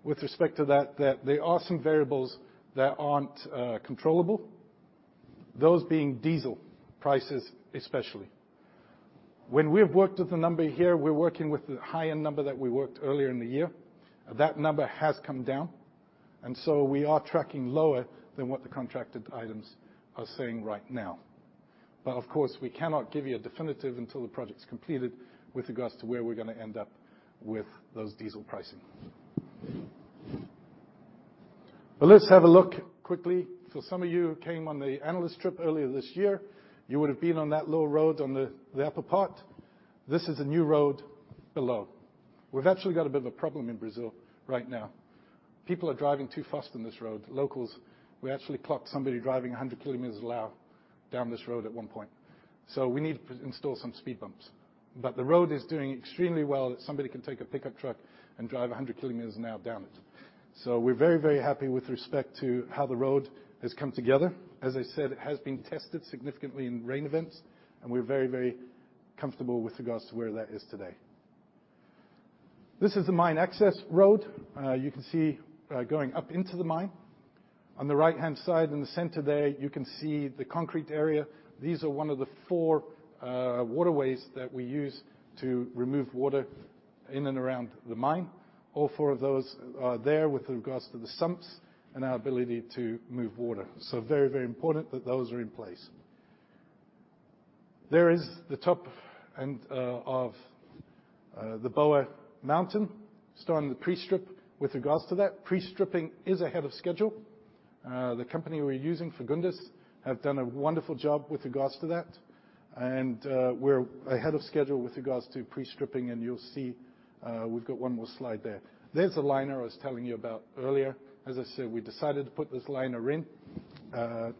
with respect to that there are some variables that aren't controllable, those being diesel prices, especially. When we have worked with the number here, we're working with the high-end number that we worked earlier in the year. That number has come down, and so we are tracking lower than what the contracted items are saying right now. Of course, we cannot give you a definitive until the project's completed with regards to where we're gonna end up with those diesel pricing. Let's have a look quickly. For some of you who came on the analyst trip earlier this year, you would have been on that little road on the upper part. This is a new road below. We've actually got a bit of a problem in Brazil right now. People are driving too fast on this road. Locals, we actually clocked somebody driving 100 km an hour down this road at one point. We need to install some speed bumps. The road is doing extremely well that somebody can take a pickup truck and drive 100 km an hour down it. We're very, very happy with respect to how the road has come together. As I said, it has been tested significantly in rain events, and we're very, very comfortable with regards to where that is today. This is the mine access road. You can see going up into the mine. On the right-hand side, in the center there, you can see the concrete area. These are one of the four waterways that we use to remove water in and around the mine. All four of those are there with regards to the sumps and our ability to move water. Very, very important that those are in place. There is the top end of the Boa Mountain. Starting the pre-strip with regards to that. Pre-stripping is ahead of schedule. The company we're using, Fagundes, have done a wonderful job with regards to that. We're ahead of schedule with regards to pre-stripping, and you'll see, we've got one more slide there. There's the liner I was telling you about earlier. As I said, we decided to put this liner in,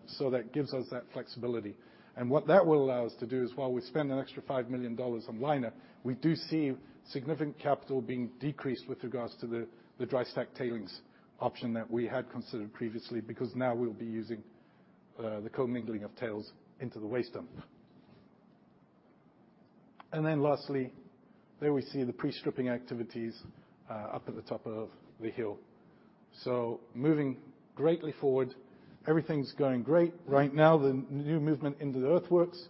so that gives us that flexibility. What that will allow us to do is while we spend an extra $5 million on liner, we do see significant capital being decreased with regards to the dry stack tailings option that we had considered previously, because now we'll be using the co-mingling of tails into the waste dump. Lastly, there we see the pre-stripping activities up at the top of the hill. Moving greatly forward, everything's going great. Right now, the new movement into the earthworks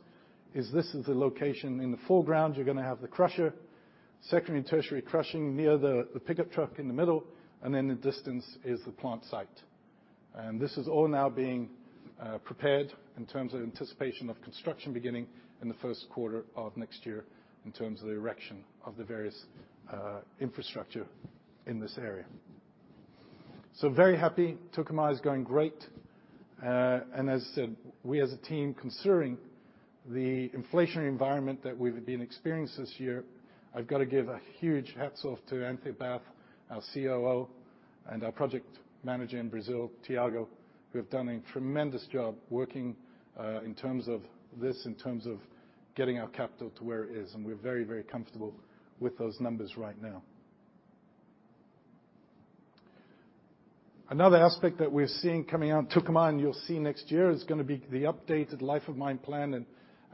is this the location. In the foreground, you're gonna have the crusher, secondary and tertiary crushing near the pickup truck in the middle, and then the distance is the plant site. This is all now being prepared in terms of anticipation of construction beginning in the first quarter of next year in terms of the erection of the various infrastructure in this area. Very happy. Tucumã is going great. As I said, we as a team, considering the inflationary environment that we've been experiencing this year, I've got to give a huge hats off to Anthea Bath, our COO, and our project manager in Brazil, Thiago, who have done a tremendous job working in terms of this, in terms of getting our capital to where it is. We're very, very comfortable with those numbers right now. Another aspect that we're seeing coming out in Tucumã you'll see next year is gonna be the updated life of mine plan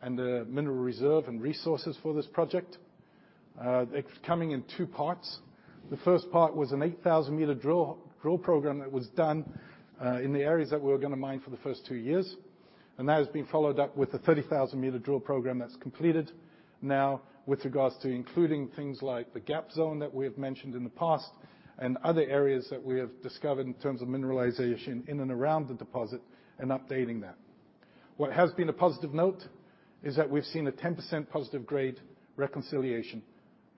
and mineral reserve and resources for this project. It's coming in two parts. The first part was an 8,000-meter drill program that was done in the areas that we were gonna mine for the first two years. That has been followed up with a 30,000-meter drill program that's completed now with regards to including things like the gap zone that we have mentioned in the past, and other areas that we have discovered in terms of mineralization in and around the deposit, and updating that. What has been a positive note is that we've seen a 10% positive grade reconciliation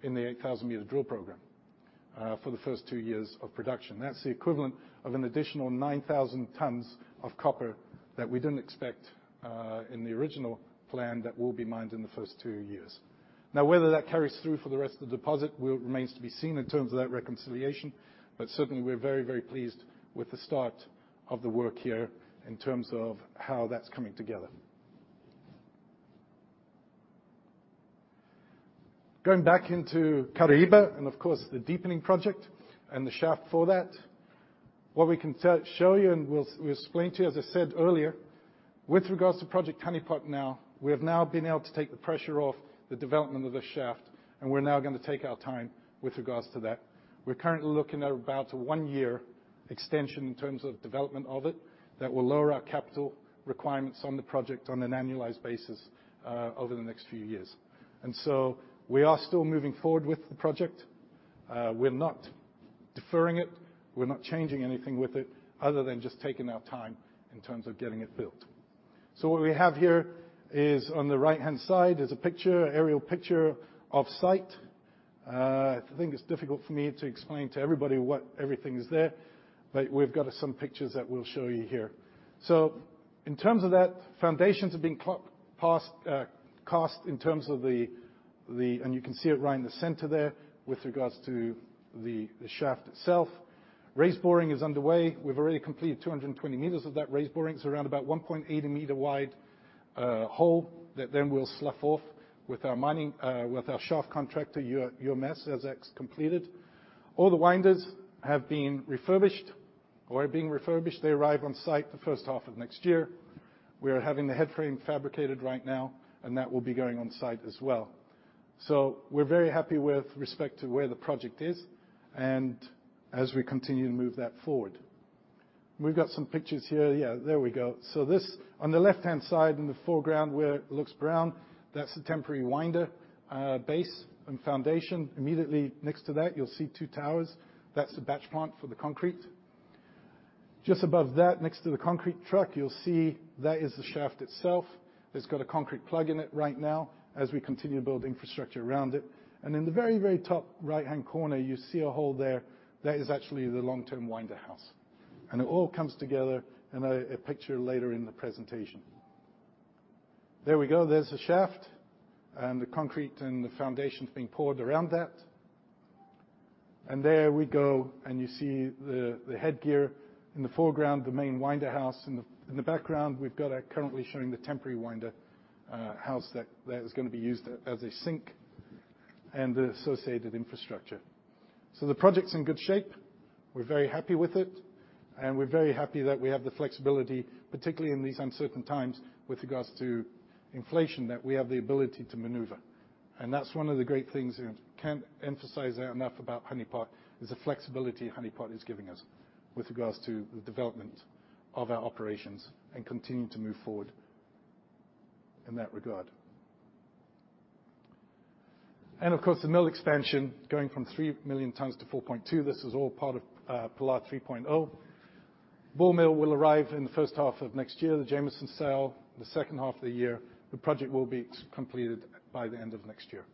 in the 8,000-meter drill program for the first two years of production. That's the equivalent of an additional 9,000 tons of copper that we didn't expect in the original plan that will be mined in the first two years. Now, whether that carries through for the rest of the deposit will remains to be seen in terms of that reconciliation, but certainly, we're very, very pleased with the start of the work here in terms of how that's coming together. Going back into Caraíba, and of course, the deepening project and the shaft for that, what we can show you and we'll explain to you, as I said earlier, with regards to Project Honeypot now, we have now been able to take the pressure off the development of the shaft, and we're now gonna take our time with regards to that. We're currently looking at about a one-year extension in terms of development of it that will lower our capital requirements on the project on an annualized basis, over the next few years. We are still moving forward with the project. We're not deferring it. We're not changing anything with it other than just taking our time in terms of getting it built. What we have here is, on the right-hand side is a picture, aerial picture off site. I think it's difficult for me to explain to everybody what everything is there, but we've got us some pictures that we'll show you here. In terms of that, foundations have been passed, cast in terms of the the. You can see it right in the center there with regards to the shaft itself. Raise boring is underway. We've already completed 220 meters of that raise boring, so around about 1.8 meter wide hole that then we'll slough off with our mining with our shaft contractor, UMS, as that's completed. All the winders have been refurbished or are being refurbished. They arrive on site the first half of next year. We are having the headframe fabricated right now, and that will be going on-site as well. We're very happy with respect to where the project is and as we continue to move that forward. We've got some pictures here. Yeah, there we go. This, on the left-hand side in the foreground where it looks brown, that's the temporary winder, base and foundation. Immediately next to that, you'll see two towers. That's the batch plant for the concrete. Just above that, next to the concrete truck, you'll see that is the shaft itself. It's got a concrete plug in it right now as we continue to build infrastructure around it. In the very, very top right-hand corner, you see a hole there. That is actually the long-term winder house. It all comes together in a picture later in the presentation. There we go. There's the shaft and the concrete and the foundations being poured around that. There we go, and you see the headgear in the foreground, the main winder house. In the background, we've got our currently showing the temporary winder house that is gonna be used as a sink and the associated infrastructure. The project's in good shape. We're very happy with it, and we're very happy that we have the flexibility, particularly in these uncertain times with regards to inflation, that we have the ability to maneuver. That's one of the great things, you know. Can't emphasize that enough about Honeypot, is the flexibility Honeypot is giving us with regards to the development of our operations and continuing to move forward in that regard. Of course, the mill expansion going from 3 million tons to 4.2, this is all part of Pilar 3.0. Ball mill will arrive in the first half of next year, the Jameson Cell, the second half of the year. The project will be completed by the end of next year.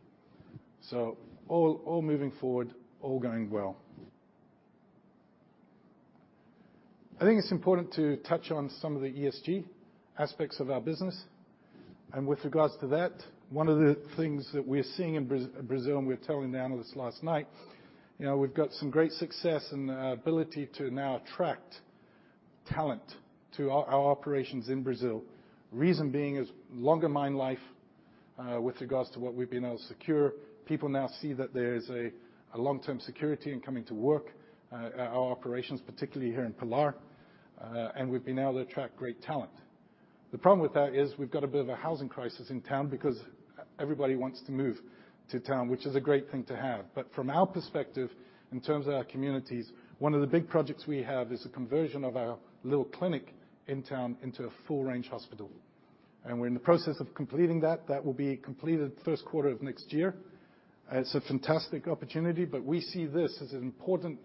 All moving forward, all going well. I think it's important to touch on some of the ESG aspects of our business. With regards to that, one of the things that we're seeing in Brazil, and we were telling the analysts last night, you know, we've got some great success and ability to now attract talent to our operations in Brazil. Reason being is longer mine life with regards to what we've been able to secure. People now see that there is a long-term security in coming to work at our operations, particularly here in Pilar, and we've been able to attract great talent. The problem with that is we've got a bit of a housing crisis in town because everybody wants to move to town, which is a great thing to have. From our perspective, in terms of our communities, one of the big projects we have is a conversion of our little clinic in town into a full-range hospital, and we're in the process of completing that. That will be completed the first quarter of next year. It's a fantastic opportunity, but we see this as an important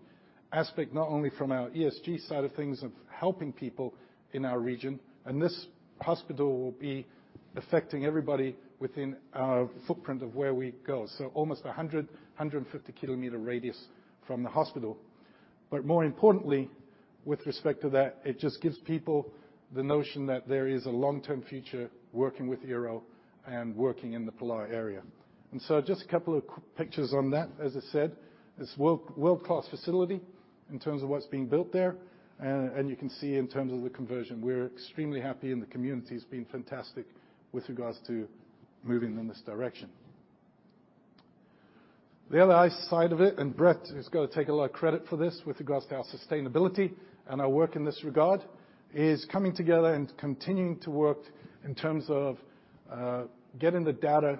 aspect, not only from our ESG side of things of helping people in our region, and this hospital will be affecting everybody within our footprint of where we go, so almost a 150-km radius from the hospital. More importantly, with respect to that, it just gives people the notion that there is a long-term future working with Ero and working in the Pilar area. Just a couple of quick pictures on that. As I said, it's world-class facility in terms of what's being built there. And you can see in terms of the conversion, we're extremely happy, and the community's been fantastic with regards to moving in this direction. The other side of it, and Brett is gonna take a lot of credit for this with regards to our sustainability and our work in this regard, is coming together and continuing to work in terms of getting the data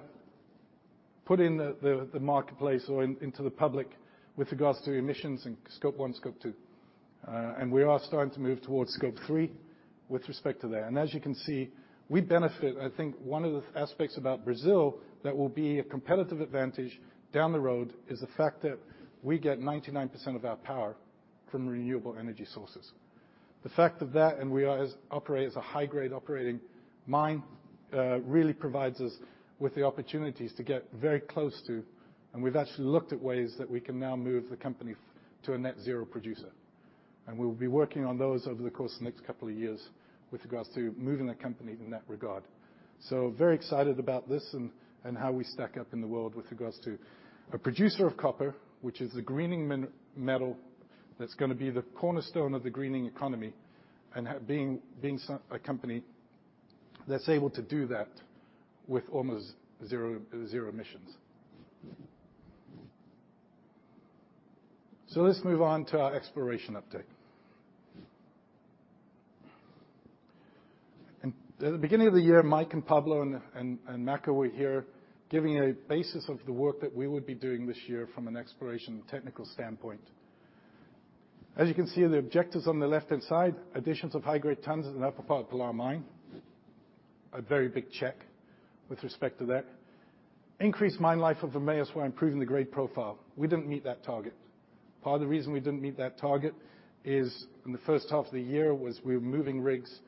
put in the marketplace or into the public with regards to emissions and Scope 1, Scope 2. And we are starting to move towards Scope 3 with respect to that. As you can see, we benefit. I think one of the aspects about Brazil that will be a competitive advantage down the road is the fact that we get 99% of our power from renewable energy sources. The fact of that, and we operate as a high-grade operating mine, really provides us with the opportunities to get very close to, and we've actually looked at ways that we can now move the company to a net zero producer. We'll be working on those over the course of the next couple of years with regards to moving the company in that regard. Very excited about this and how we stack up in the world with regards to a producer of copper, which is the green metal, that's gonna be the cornerstone of the greening economy, and being a company that's able to do that with almost zero emissions. Let's move on to our exploration update. In the beginning of the year, Mike and Pablo and Maka were here giving a basis of the work that we would be doing this year from an exploration technical standpoint. As you can see, the objectives on the left-hand side, additions of high-grade tons at an upper part Pilar Mine. A very big check with respect to that. Increase mine life of Vermelhos while improving the grade profile. We didn't meet that target. Part of the reason we didn't meet that target is in the first half of the year was we were moving rigs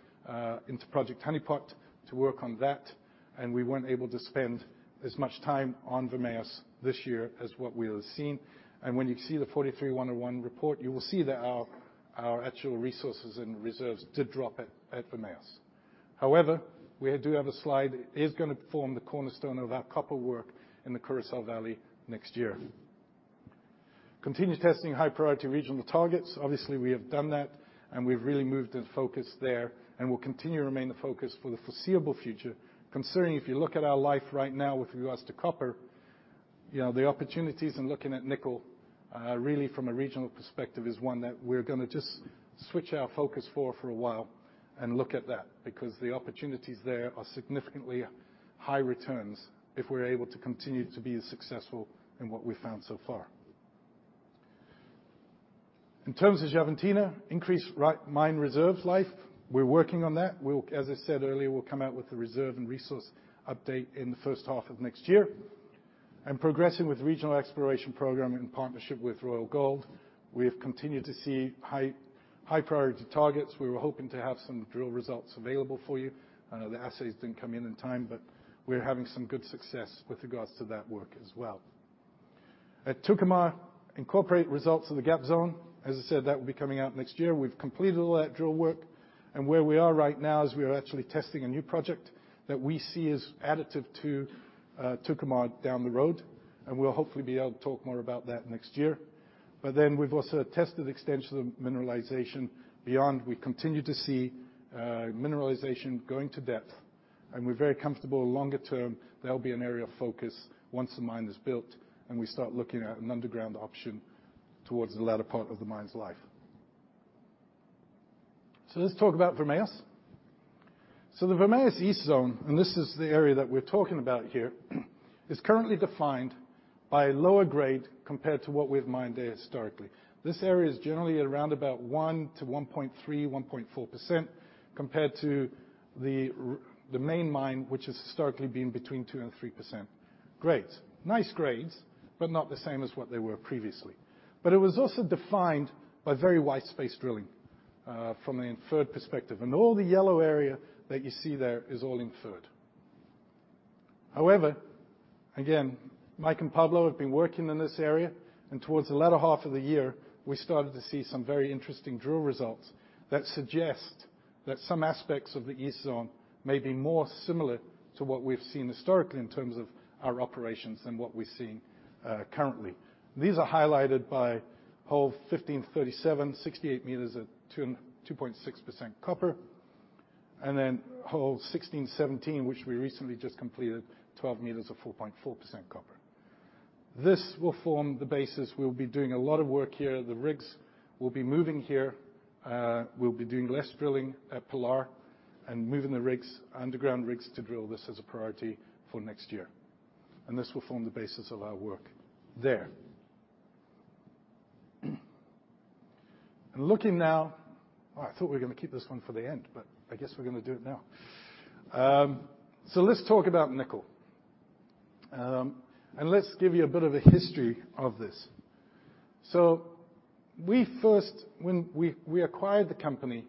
into Project Honeypot to work on that, and we weren't able to spend as much time on Vermelhos this year as what we have seen. When you see the NI 43-101 report, you will see that our actual resources and reserves did drop at Vermelhos. However, we do have a slide. It is gonna form the cornerstone of our copper work in the Curaçá Valley next year. Continue testing high-priority regional targets. Obviously, we have done that, and we've really moved the focus there, and will continue to remain the focus for the foreseeable future. Considering if you look at our life right now with regards to copper, you know, the opportunities in looking at nickel, really from a regional perspective is one that we're gonna just switch our focus for a while and look at that because the opportunities there are significantly high returns if we're able to continue to be as successful in what we found so far. In terms of Xavantina, increase mine reserves life, we're working on that. We'll, as I said earlier, come out with a reserve and resource update in the first half of next year. Progressing with regional exploration program in partnership with Royal Gold. We have continued to see high-priority targets. We were hoping to have some drill results available for you. The assays didn't come in in time, but we're having some good success with regards to that work as well. At Tucumã, incorporate results of the gap zone. As I said, that will be coming out next year. We've completed all that drill work, and where we are right now is we are actually testing a new project that we see as additive to, Tucumã down the road, and we'll hopefully be able to talk more about that next year. But then we've also tested extension of mineralization beyond. We continue to see, mineralization going to depth, and we're very comfortable longer term, that'll be an area of focus once the mine is built and we start looking at an underground option towards the latter part of the mine's life. Let's talk about Vermelhos. The Vermelhos East zone, and this is the area that we're talking about here is currently defined by lower grade compared to what we've mined there historically. This area is generally around about one to 1.3, 1.4% compared to the main mine, which has historically been between 2% and 3% grades. Nice grades, but not the same as what they were previously. It was also defined by very wide-spaced drilling from an inferred perspective. All the yellow area that you see there is all inferred. However, again, Mike and Pablo have been working in this area, and towards the latter half of the year, we started to see some very interesting drill results that suggest that some aspects of the east zone may be more similar to what we've seen historically in terms of our operations than what we're seeing currently. These are highlighted by hole 1537, 68 meters at 2.6% copper. Then hole 1617, which we recently just completed, 12 meters of 4.4% copper. This will form the basis. We'll be doing a lot of work here. The rigs will be moving here. We'll be doing less drilling at Pilar and moving the rigs, underground rigs, to drill this as a priority for next year. This will form the basis of our work there. Looking now. Oh, I thought we were gonna keep this one for the end, but I guess we're gonna do it now. Let's talk about nickel. Let's give you a bit of a history of this. When we acquired the company,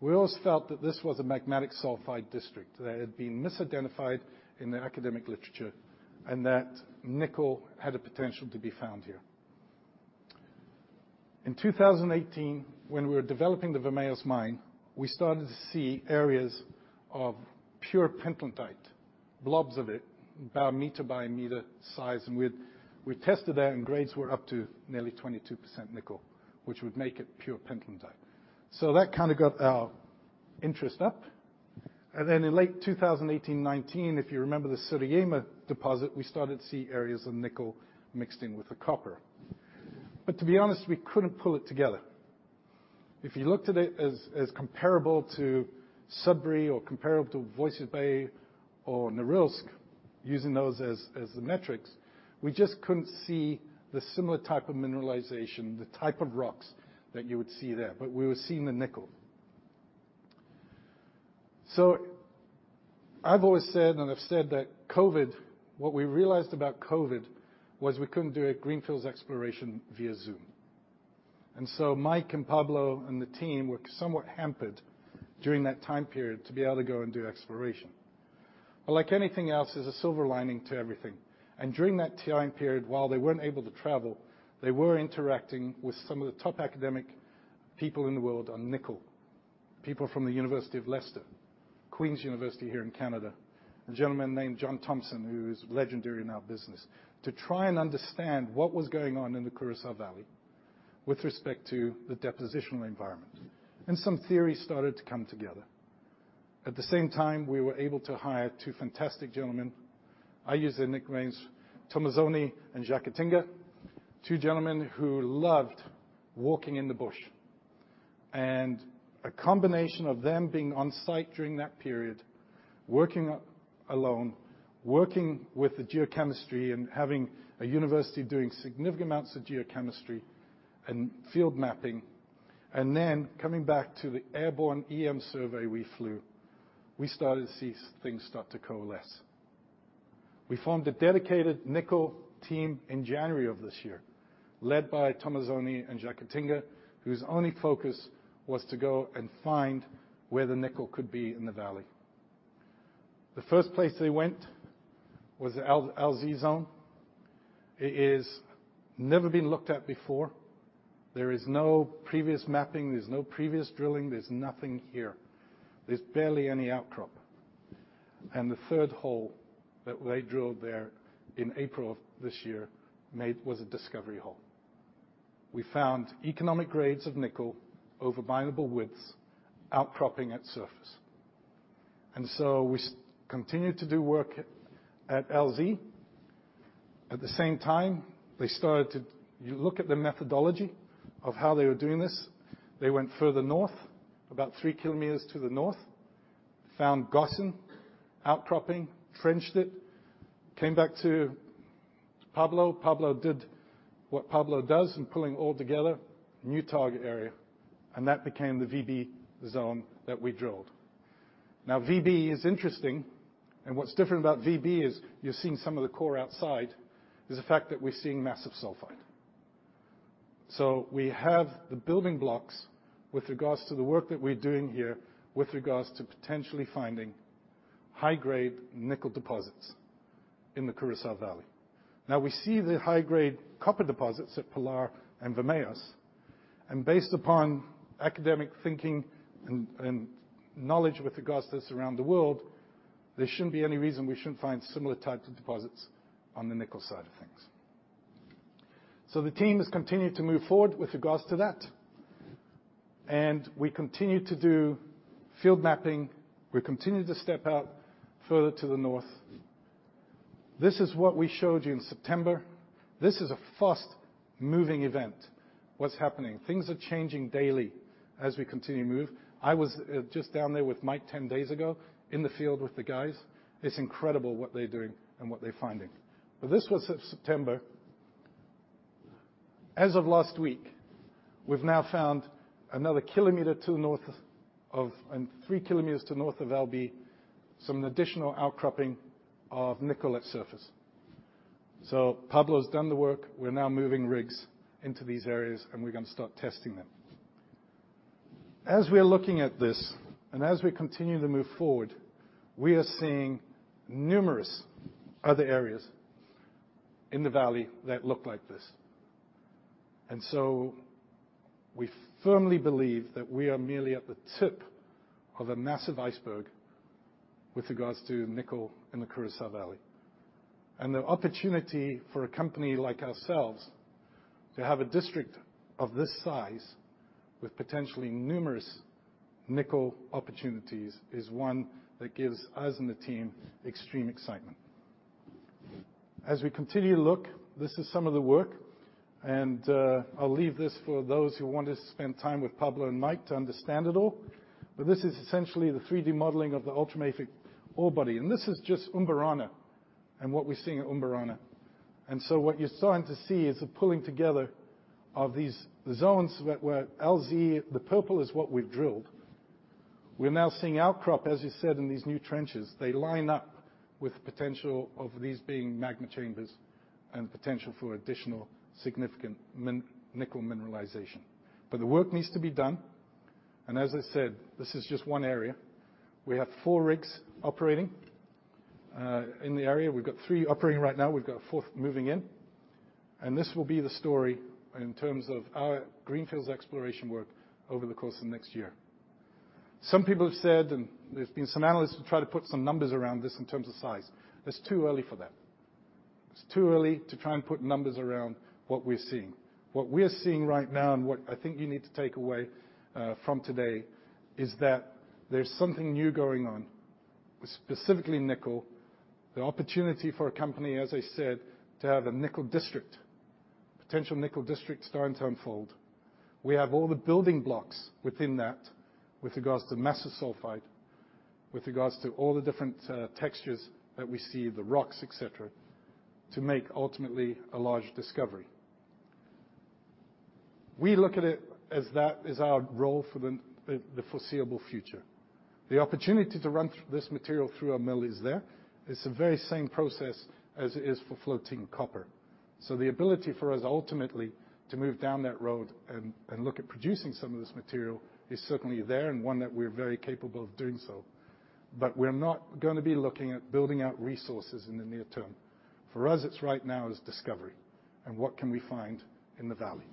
we always felt that this was a magmatic sulfide district that had been misidentified in the academic literature and that nickel had a potential to be found here. In 2018, when we were developing the Vermelhos mine, we started to see areas of pure pentlandite, blobs of it, about a meter by a meter size. We tested that, and grades were up to nearly 22% nickel, which would make it pure pentlandite. That kinda got our interest up. In late 2018-2019, if you remember the Siriema deposit, we started to see areas of nickel mixed in with the copper. To be honest, we couldn't pull it together. If you looked at it as comparable to Sudbury or comparable to Voisey's Bay or Norilsk, using those as the metrics, we just couldn't see the similar type of mineralization, the type of rocks that you would see there, but we were seeing the nickel. I've always said, and I've said that COVID, what we realized about COVID was we couldn't do a greenfield exploration via Zoom. Mike and Pablo and the team were somewhat hampered during that time period to be able to go and do exploration. Like anything else, there's a silver lining to everything. During that time period, while they weren't able to travel, they were interacting with some of the top academic people in the world on nickel, people from the University of Leicester, Queen's University here in Canada, a gentleman named John Thompson, who is legendary in our business, to try and understand what was going on in the Curaçá Valley with respect to the depositional environment. Some theories started to come together. At the same time, we were able to hire two fantastic gentlemen. I use their nicknames, Tomazoni and Jacatinga, two gentlemen who loved walking in the bush. A combination of them being on site during that period, working alone, working with the geochemistry and having a university doing significant amounts of geochemistry and field mapping, and then coming back to the airborne EM survey we flew, we started to see things start to coalesce. We formed a dedicated nickel team in January of this year, led by Tomazoni and Jacatinga, whose only focus was to go and find where the nickel could be in the valley. The first place they went was the LZ zone. It is never been looked at before. There is no previous mapping. There's no previous drilling. There's nothing here. There's barely any outcrop. The third hole that they drilled there in April of this year was a discovery hole. We found economic grades of nickel over minable widths outcropping at surface. We continued to do work at LZ. At the same time, you look at the methodology of how they were doing this. They went further north, about three kilometers to the north, found gossan outcropping, trenched it, came back to Pablo Mejia. Pablo did what Pablo does in pulling all together a new target area. That became the VB zone that we drilled. VB is interesting. What's different about VB is you're seeing some of the core outside is the fact that we're seeing massive sulfide. We have the building blocks with regards to the work that we're doing here with regards to potentially finding high-grade nickel deposits in the Curaçá Valley. We see the high-grade copper deposits at Pilar and Vermelhos. Based upon academic thinking and knowledge with regards to this around the world, there shouldn't be any reason we shouldn't find similar types of deposits on the nickel side of things. The team has continued to move forward with regards to that. We continue to do field mapping. We continue to step out further to the north. This is what we showed you in September. This is a fast-moving event, what's happening. Things are changing daily as we continue to move. I was just down there with Mike 10 days ago in the field with the guys. It's incredible what they're doing and what they're finding. This was September. As of last week, we've now found another kilometer to the north of and three km to the north of VB, some additional outcropping of nickel at surface. Pablo has done the work. We're now moving rigs into these areas, and we're gonna start testing them. As we're looking at this, and as we continue to move forward, we are seeing numerous other areas in the valley that look like this. We firmly believe that we are merely at the tip of a massive iceberg with regards to nickel in the Curaçá Valley. The opportunity for a company like ourselves to have a district of this size with potentially numerous nickel opportunities is one that gives us and the team extreme excitement. As we continue to look, this is some of the work. I'll leave this for those who want to spend time with Pablo and Mike to understand it all. This is essentially the 3D modeling of the ultramafic ore body. This is just Baraúna and what we're seeing at Baraúna. What you're starting to see is a pulling together of these zones where LZ, the purple is what we've drilled. We're now seeing outcrop, as you said, in these new trenches. They line up with potential of these being magma chambers and potential for additional significant mine nickel mineralization. The work needs to be done. As I said, this is just one area. We have four rigs operating in the area. We've got three operating right now. We've got a fourth moving in. This will be the story in terms of our greenfields exploration work over the course of next year. Some people have said, and there's been some analysts who try to put some numbers around this in terms of size. It's too early for that. It's too early to try and put numbers around what we're seeing. What we're seeing right now and what I think you need to take away from today is that there's something new going on. Specifically, nickel. The opportunity for a company, as I said, to have a nickel district, potential nickel district starting to unfold. We have all the building blocks within that with regards to massive sulfide, with regards to all the different textures that we see, the rocks, et cetera, to make ultimately a large discovery. We look at it as that is our role for the foreseeable future. The opportunity to run this material through our mill is there. It's the very same process as it is for floating copper. The ability for us ultimately to move down that road and look at producing some of this material is certainly there and one that we're very capable of doing so. We're not gonna be looking at building out resources in the near term. For us, it's right now is discovery and what can we find in the valley.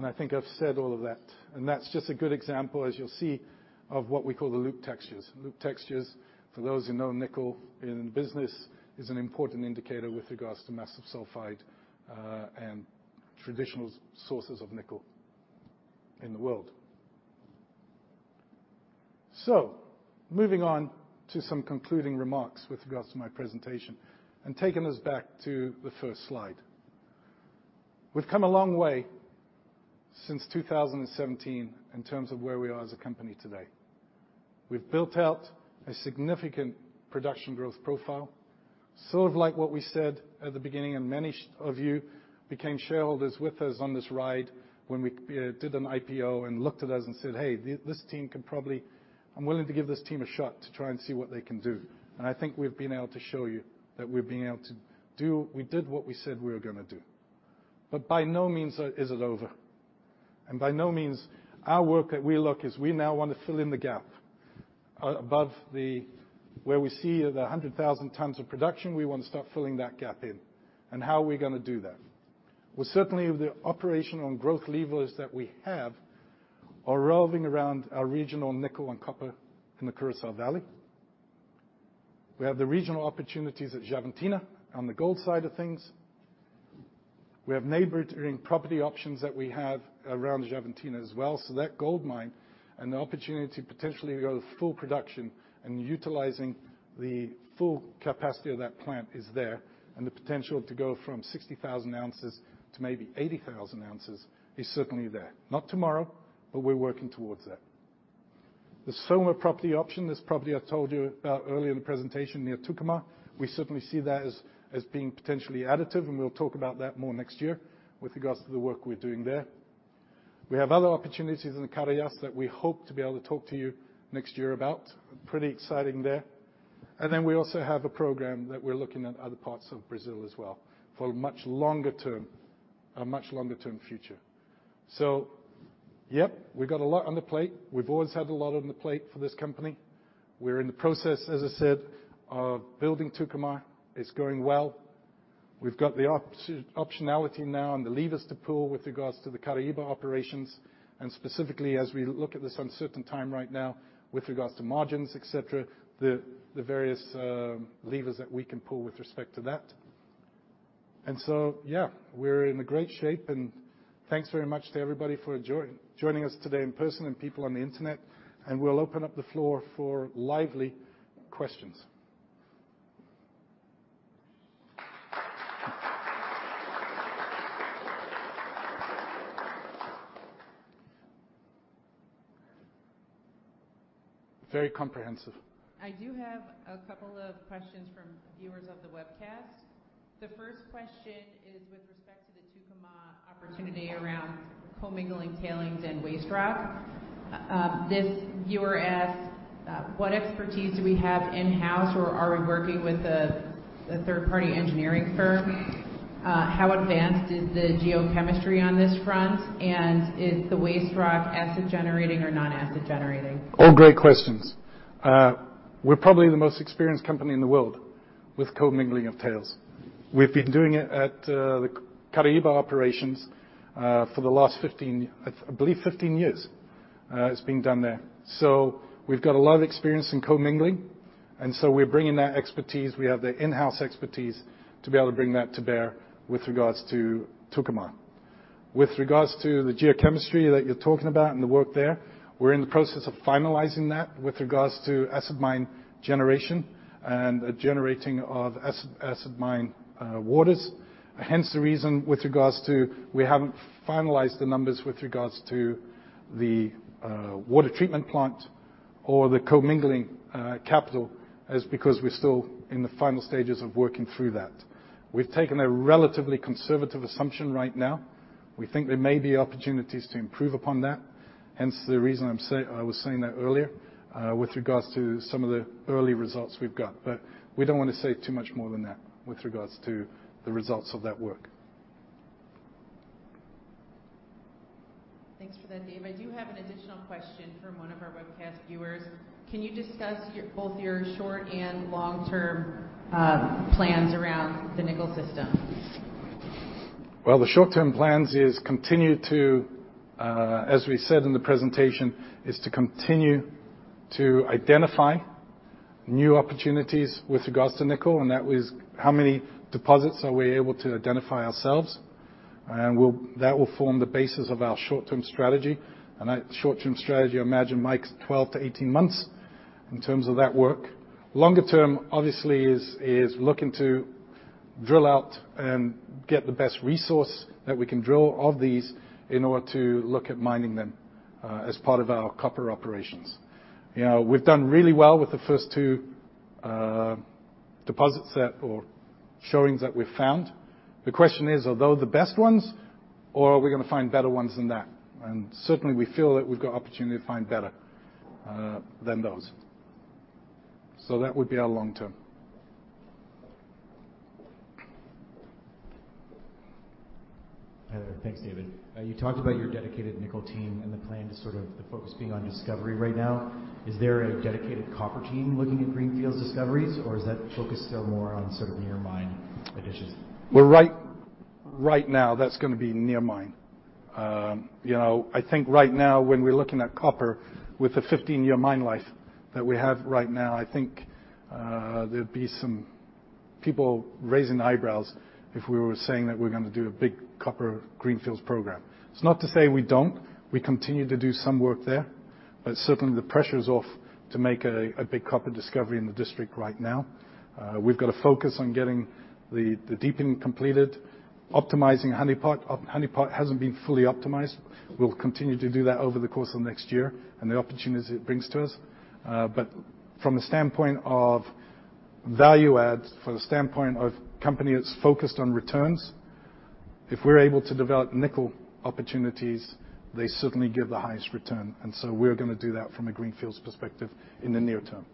I think I've said all of that, and that's just a good example, as you'll see, of what we call the loop textures. Loop textures, for those who know nickel in the business, is an important indicator with regards to massive sulfide and traditional sources of nickel in the world. Moving on to some concluding remarks with regards to my presentation and taking us back to the first slide. We've come a long way since 2017 in terms of where we are as a company today. We've built out a significant production growth profile, sort of like what we said at the beginning, and many of you became shareholders with us on this ride when we did an IPO and looked at us and said, "Hey, this team can probably... I'm willing to give this team a shot to try and see what they can do." I think we've been able to show you that we've been able to do, we did what we said we were gonna do. By no means is it over, and by no means our work at WeLook is we now want to fill in the gap above the where we see the 100,000 tons of production, we wanna start filling that gap in. How are we gonna do that? Well, certainly the operational and growth levers that we have are revolving around our regional nickel and copper in the Curaçá Valley. We have the regional opportunities at Xavantina on the gold side of things. We have neighboring property options that we have around Xavantina as well. That gold mine and the opportunity potentially to go to full production and utilizing the full capacity of that plant is there, and the potential to go from 60,000 ounces to maybe 80,000 ounces is certainly there. Not tomorrow, but we're working towards that. The Soma property option, this property I told you about earlier in the presentation near Tucumã, we certainly see that as being potentially additive, and we'll talk about that more next year with regards to the work we're doing there. We have other opportunities in the Carajás that we hope to be able to talk to you next year about. Pretty exciting there. We also have a program that we're looking at other parts of Brazil as well for much longer term, a much longer term future. Yep, we've got a lot on the plate. We've always had a lot on the plate for this company. We're in the process, as I said, of building Tucumã. It's going well. We've got the optionality now and the levers to pull with regards to the Caraíba operations, and specifically as we look at this uncertain time right now with regards to margins, et cetera, the various levers that we can pull with respect to that. Yeah, we're in a great shape and thanks very much to everybody for joining us today in person and people on the internet, and we'll open up the floor for lively questions. Very comprehensive. I do have a couple of questions from viewers of the webcast. The first question is with respect to the Tucumã opportunity around co-mingling tailings and waste rock. This viewer asks, what expertise do we have in-house or are we working with a third-party engineering firm? How advanced is the geochemistry on this front? And is the waste rock acid generating or non-acid generating? All great questions. We're probably the most experienced company in the world with co-mingling of tails. We've been doing it at the Caraíba operations for the last 15 years, I believe it's been done there. We've got a lot of experience in co-mingling, and we're bringing that expertise. We have the in-house expertise to be able to bring that to bear with regards to Tucumã. With regards to the geochemistry that you're talking about and the work there, we're in the process of finalizing that with regards to acid mine generation and generating of acid mine waters. Hence, the reason we haven't finalized the numbers with regards to the water treatment plant or the co-mingling capital is because we're still in the final stages of working through that. We've taken a relatively conservative assumption right now. We think there may be opportunities to improve upon that, hence the reason I was saying that earlier, with regards to some of the early results we've got. We don't wanna say too much more than that with regards to the results of that work. Thanks for that, Dave. I do have an additional question from one of our webcast viewers. Can you discuss both your short and long-term plans around the nickel system? Well, the short-term plans is continue to, as we said in the presentation, is to continue to identify new opportunities with regards to nickel, and that was how many deposits are we able to identify ourselves. That will form the basis of our short-term strategy. That short-term strategy, I imagine, Mike, is 12-18 months in terms of that work. Longer term, obviously is looking to drill out and get the best resource that we can draw of these in order to look at mining them, as part of our copper operations. You know, we've done really well with the first two, deposits that or showings that we've found. The question is, are they the best ones or are we gonna find better ones than that? Certainly, we feel that we've got opportunity to find better, than those. That would be our long term. Hi there. Thanks, David. You talked about your dedicated nickel team and the plan to sort of the focus being on discovery right now. Is there a dedicated copper team looking at greenfields discoveries, or is that focused still more on sort of near mine additions? Well, right now that's gonna be near mine. You know, I think right now when we're looking at copper with a 15-year mine life that we have right now, I think there'd be some people raising eyebrows if we were saying that we're gonna do a big copper greenfields program. It's not to say we don't. We continue to do some work there, but certainly, the pressure's off to make a big copper discovery in the district right now. We've got to focus on getting the deepening completed, optimizing Honeypot. Honeypot hasn't been fully optimized. We'll continue to do that over the course of next year and the opportunities it brings to us. From a standpoint of value add, from a standpoint of company that's focused on returns, if we're able to develop nickel opportunities, they certainly give the highest return, and so we're gonna do that from a greenfields perspective in the near term.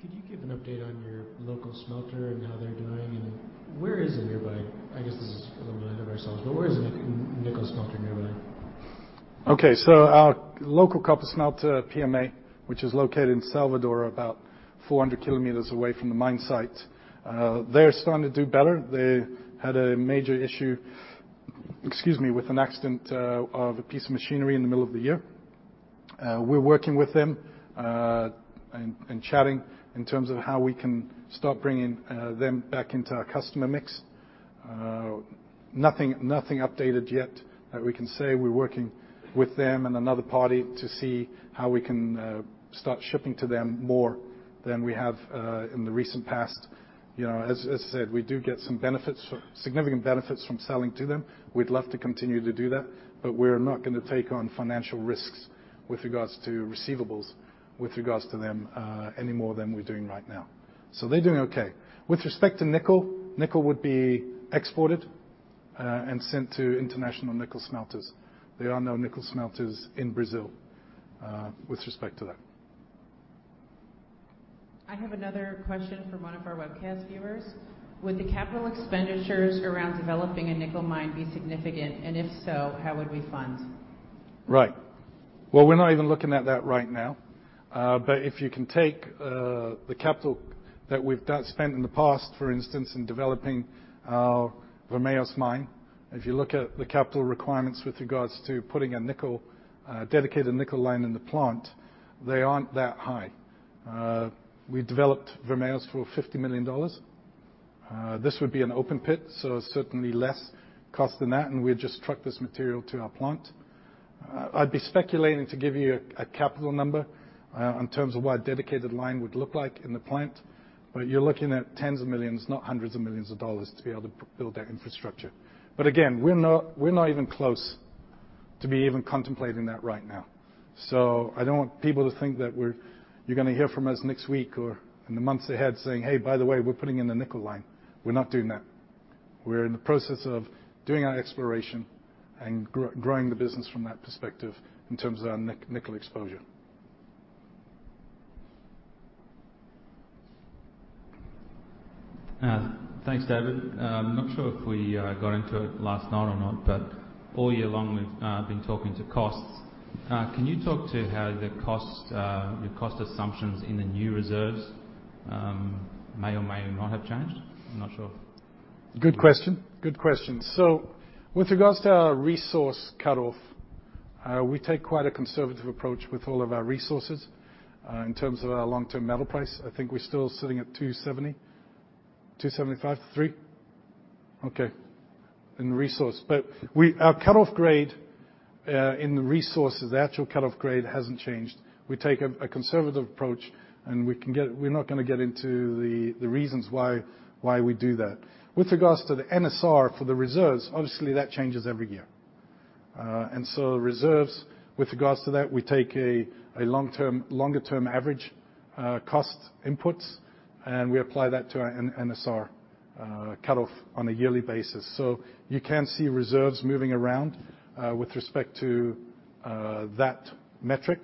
Can you give an update on your local smelter and how they're doing? Where is it nearby? I guess this is a little bit of a side, but where is the nickel smelter nearby? Okay, our local copper smelter, Paranapanema, which is located in Salvador about 400 km away from the mine site, they're starting to do better. They had a major issue, excuse me, with an accident of a piece of machinery in the middle of the year. We're working with them and chatting in terms of how we can start bringing them back into our customer mix. Nothing updated yet that we can say. We're working with them and another party to see how we can start shipping to them more than we have in the recent past. You know, as I said, we do get some benefits from significant benefits from selling to them. We'd love to continue to do that, but we're not gonna take on financial risks with regards to receivables, with regards to them, any more than we're doing right now. They're doing okay. With respect to nickel would be exported, and sent to international nickel smelters. There are no nickel smelters in Brazil, with respect to that. I have another question from one of our webcast viewers. Would the capital expenditures around developing a nickel mine be significant? If so, how would we fund? Right. Well, we're not even looking at that right now. If you can take the capital that we've spent in the past, for instance, in developing our Vermelhos mine. If you look at the capital requirements with regards to putting a nickel dedicated nickel line in the plant, they aren't that high. We developed Vermelhos for $50 million. This would be an open pit, so certainly less cost than that, and we'd just truck this material to our plant. I'd be speculating to give you a capital number in terms of what a dedicated line would look like in the plant, but you're looking at tens of millions, not hundreds of millions of dollars to be able to build that infrastructure. Again, we're not even close to be even contemplating that right now. I don't want people to think that you're gonna hear from us next week or in the months ahead saying, "Hey, by the way, we're putting in a nickel line." We're not doing that. We're in the process of doing our exploration and growing the business from that perspective in terms of our nickel exposure. Thanks, David. I'm not sure if we got into it last night or not, but all year long, we've been talking to costs. Can you talk to how the cost assumptions in the new reserves may or may not have changed? I'm not sure. Good question. With regards to our resource cutoff, we take quite a conservative approach with all of our resources, in terms of our long-term metal price. I think we're still sitting at $2.70. $2.75? $3? Okay. In resource. Our cutoff grade in the resources, the actual cutoff grade hasn't changed. We take a conservative approach, and we're not gonna get into the reasons why we do that. With regards to the NSR for the reserves, obviously that changes every year. Reserves with regards to that, we take a long-term average cost inputs, and we apply that to our NSR cutoff on a yearly basis. You can see reserves moving around with respect to that metric.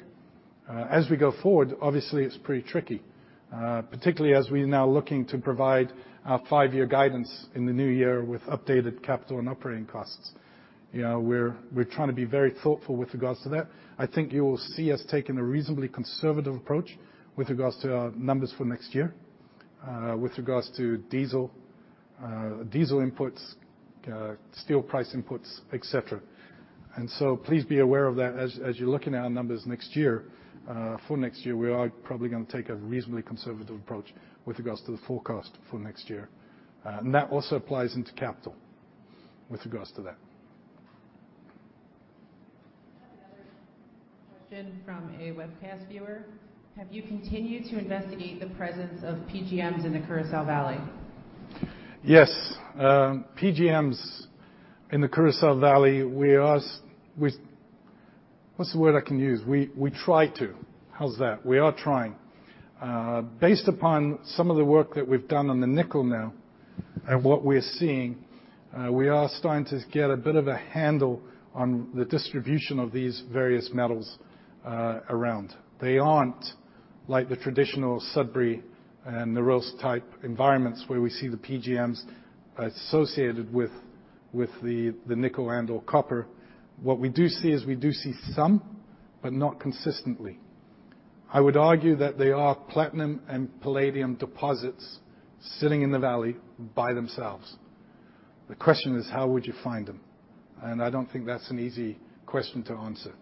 As we go forward, obviously, it's pretty tricky, particularly as we're now looking to provide our five-year guidance in the new year with updated capital and operating costs. You know, we're trying to be very thoughtful with regards to that. I think you will see us taking a reasonably conservative approach with regards to our numbers for next year. With regards to diesel inputs, steel price inputs, et cetera. Please be aware of that as you're looking at our numbers next year. For next year, we are probably gonna take a reasonably conservative approach with regards to the forecast for next year. That also applies into capital with regards to that. I have another question from a webcast viewer. Have you continued to investigate the presence of PGMs in the Curaçá Valley? Yes. PGMs in the Curaçá Valley, we are trying. Based upon some of the work that we've done on the nickel now and what we're seeing, we are starting to get a bit of a handle on the distribution of these various metals around. They aren't like the traditional Sudbury and the Norilsk type environments where we see the PGMs associated with the nickel and/or copper. What we do see is we do see some, but not consistently. I would argue that they are platinum and palladium deposits sitting in the valley by themselves. The question is how would you find them? I don't think that's an easy question to answer.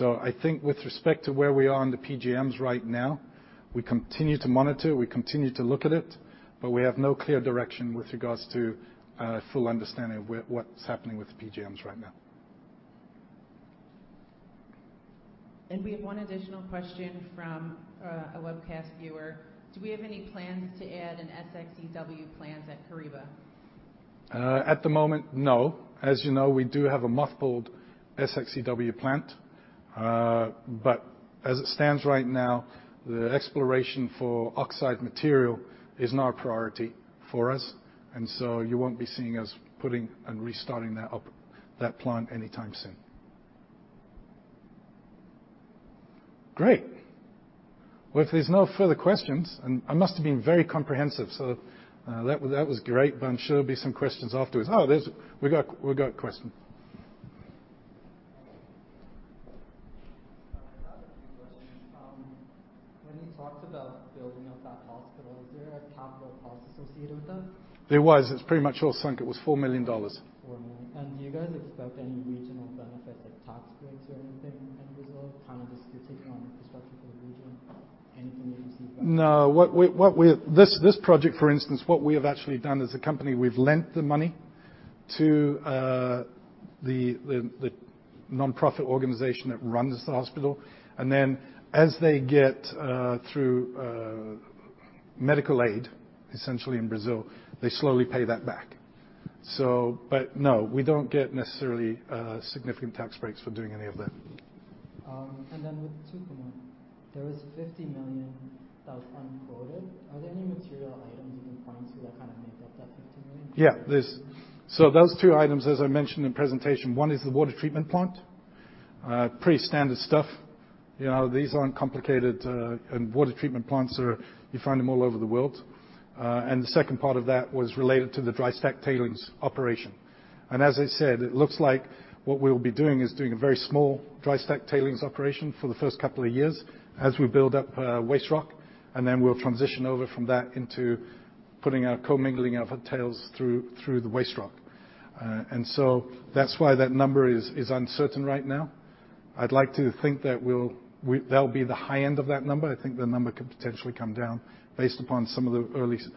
I think with respect to where we are on the PGMs right now, we continue to monitor, we continue to look at it, but we have no clear direction with regards to full understanding of what's happening with the PGMs right now. We have one additional question from a webcast viewer. Do we have any plans to add an SXEW plant at Caraíba? At the moment, no. As you know, we do have a mothballed SXEW plant. But as it stands right now, the exploration for oxide material is not a priority for us, and so you won't be seeing us putting and restarting that up, that plant anytime soon. Great. Well, if there's no further questions, and I must have been very comprehensive, so that was great. I'm sure there'll be some questions afterwards. Oh, there's. We got a question. I have a few questions. When you talked about building out that hospital, is there a capital cost associated with that? There was. It's pretty much all sunk. It was $4 million. $4 million. Do you guys expect any regional benefits, like tax breaks or anything in Brazil, kinda just to take on infrastructure for the region? Anything that you've seen. No. This project, for instance, what we have actually done as a company, we've lent the money to the nonprofit organization that runs the hospital. Then as they get through medical aid, essentially in Brazil, they slowly pay that back. But no, we don't necessarily get significant tax breaks for doing any of that. With Tucumã, there was $50 million that was unquoted. Are there any material items you can point to that kinda make up that $50 million? Those two items, as I mentioned in presentation, one is the water treatment plant. Pretty standard stuff. You know, these aren't complicated, and water treatment plants are. You find them all over the world. The second part of that was related to the dry stack tailings operation. As I said, it looks like what we'll be doing is doing a very small dry stack tailings operation for the first couple of years as we build up waste rock, and then we'll transition over from that into putting our co-mingling of tails through the waste rock. That's why that number is uncertain right now. I'd like to think that'll be the high end of that number. I think the number could potentially come down based upon some of the early stage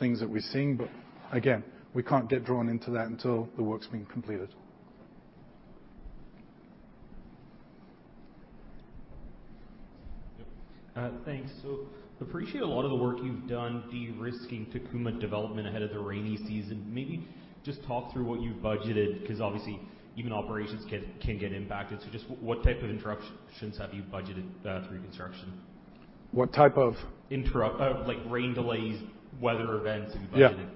things that we're seeing. Again, we can't get drawn into that until the work's been completed. Yep. Thanks. Appreciate a lot of the work you've done de-risking Tucumã development ahead of the rainy season. Maybe just talk through what you've budgeted, 'cause obviously even operations get impacted. Just what type of interruptions have you budgeted through construction? What type of- Interruptions, like rain delays, weather events, have you budgeted?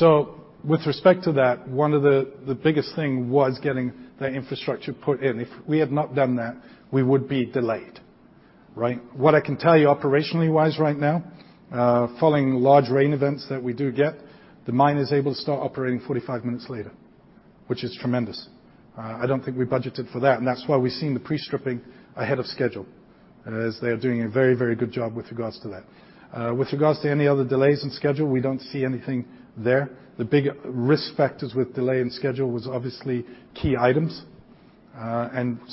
Yeah. With respect to that, one of the biggest thing was getting the infrastructure put in. If we had not done that, we would be delayed, right? What I can tell you operationally-wise right now, following large rain events that we do get, the mine is able to start operating 45 minutes later, which is tremendous. I don't think we budgeted for that, and that's why we've seen the pre-stripping ahead of schedule, as they are doing a very, very good job with regards to that. With regards to any other delays in schedule, we don't see anything there. The big risk factors with delay in schedule was obviously key items.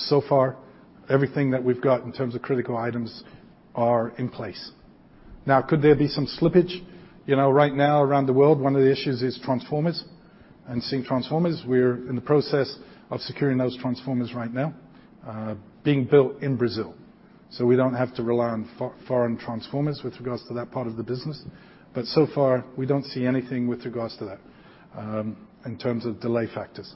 So far, everything that we've got in terms of critical items are in place. Now, could there be some slippage? You know, right now around the world, one of the issues is transformers and sourcing transformers. We're in the process of securing those transformers right now, being built in Brazil. We don't have to rely on foreign transformers with regards to that part of the business. So far, we don't see anything with regards to that in terms of delay factors.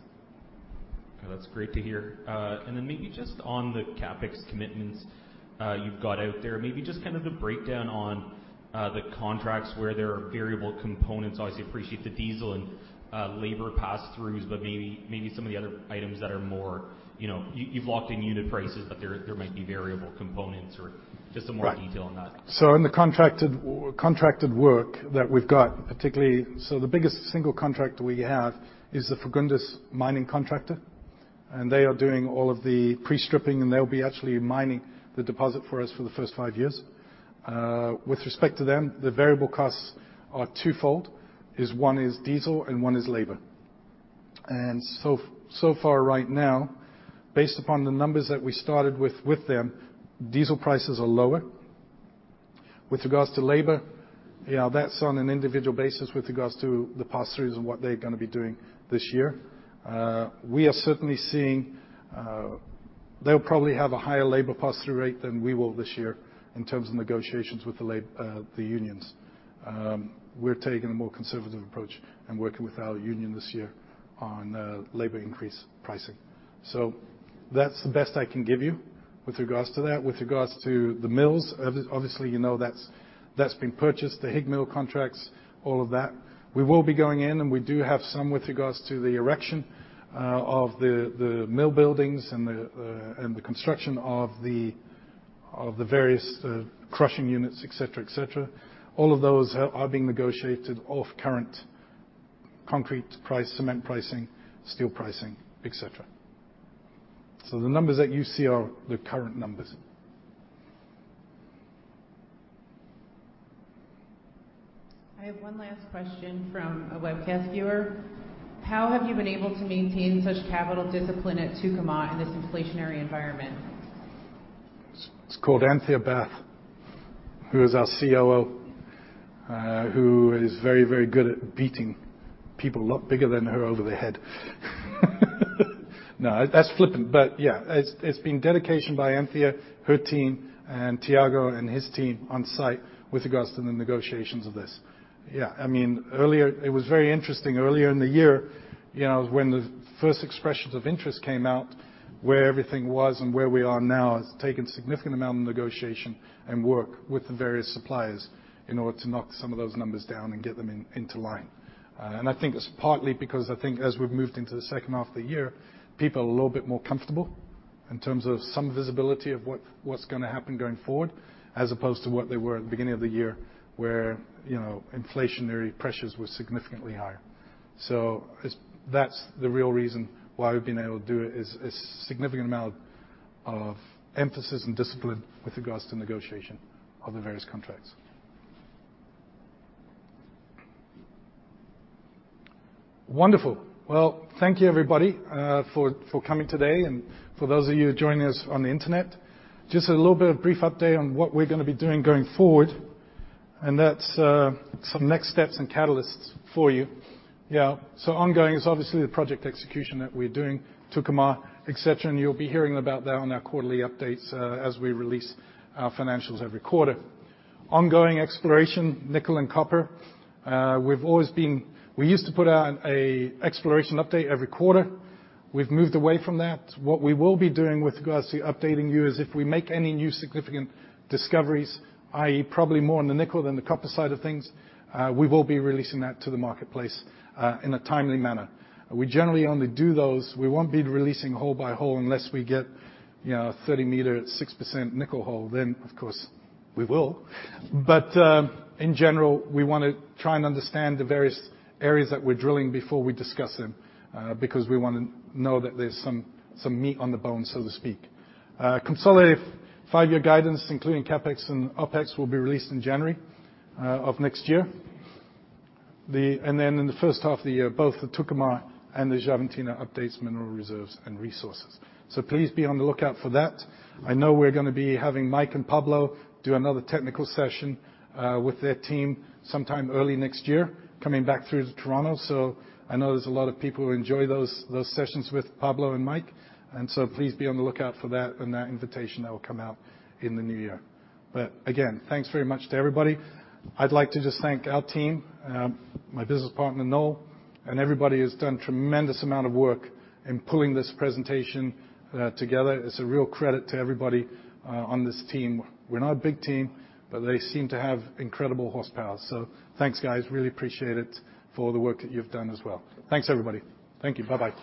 That's great to hear. Then maybe just on the CapEx commitments you've got out there, maybe just kind of the breakdown on the contracts where there are variable components. Obviously, appreciate the diesel and labor passthroughs, but maybe some of the other items that are more, you know, you've locked in unit prices, but there might be variable components or just some more detail on that. Right. In the contracted work that we've got, particularly, the biggest single contract we have is the Fagundes mining contractor. They are doing all of the pre-stripping, and they'll be actually mining the deposit for us for the first five years. With respect to them, the variable costs are twofold. One is diesel and one is labor. So far right now, based upon the numbers that we started with them, diesel prices are lower. With regards to labor, you know, that's on an individual basis with regards to the pass-throughs and what they're gonna be doing this year. We are certainly seeing, they'll probably have a higher labor pass-through rate than we will this year in terms of negotiations with the unions. We're taking a more conservative approach and working with our union this year on labor increase pricing. That's the best I can give you with regards to that. With regards to the mills, obviously, you know that's been purchased, the HIGmill contracts, all of that. We will be going in, and we do have some with regards to the erection of the mill buildings and the construction of the various crushing units, et cetera. All of those are being negotiated off current concrete price, cement pricing, steel pricing, et cetera. The numbers that you see are the current numbers. I have one last question from a webcast viewer. How have you been able to maintain such capital discipline at Tucumã in this inflationary environment? It's called Anthea Bath, who is our COO, who is very, very good at beating people a lot bigger than her over the head. No, that's flippant, but yeah, it's been dedication by Anthea, her team, and Thiago and his team on-site with regards to the negotiations of this. Yeah, I mean, earlier it was very interesting earlier in the year, you know, when the first expressions of interest came out, where everything was and where we are now has taken a significant amount of negotiation and work with the various suppliers in order to knock some of those numbers down and get them into line. I think it's partly because I think as we've moved into the second half of the year, people are a little bit more comfortable in terms of some visibility of what's gonna happen going forward, as opposed to what they were at the beginning of the year, where, you know, inflationary pressures were significantly higher. It's that the real reason why we've been able to do it is a significant amount of emphasis and discipline with regards to negotiation of the various contracts. Wonderful. Well, thank you everybody for coming today and for those of you joining us on the Internet. Just a little bit of brief update on what we're gonna be doing going forward, and that's some next steps and catalysts for you. Yeah. Ongoing is obviously the project execution that we're doing, Tucumã, et cetera, and you'll be hearing about that on our quarterly updates, as we release our financials every quarter. Ongoing exploration, nickel and copper. We used to put out an exploration update every quarter. We've moved away from that. What we will be doing with regards to updating you is if we make any new significant discoveries, i.e., probably more on the nickel than the copper side of things, we will be releasing that to the marketplace, in a timely manner. We generally only do those. We won't be releasing hole by hole unless we get, you know, a 30-meter at 6% nickel hole, then of course we will. In general, we wanna try and understand the various areas that we're drilling before we discuss them, because we wanna know that there's some meat on the bone, so to speak. Consolidated five-year guidance, including CapEx and OpEx, will be released in January of next year. In the first half of the year, both the Tucumã and the Xavantina updates mineral reserves and resources. Please be on the lookout for that. I know we're gonna be having Mike and Pablo do another technical session with their team sometime early next year, coming back through to Toronto. I know there's a lot of people who enjoy those sessions with Pablo and Mike. Please be on the lookout for that and that invitation that will come out in the new year. Again, thanks very much to everybody. I'd like to just thank our team, my business partner, Noel, and everybody has done tremendous amount of work in pulling this presentation together. It's a real credit to everybody on this team. We're not a big team, but they seem to have incredible horsepower. Thanks, guys. Really appreciate it for the work that you've done as well. Thanks, everybody. Thank you. Bye-bye.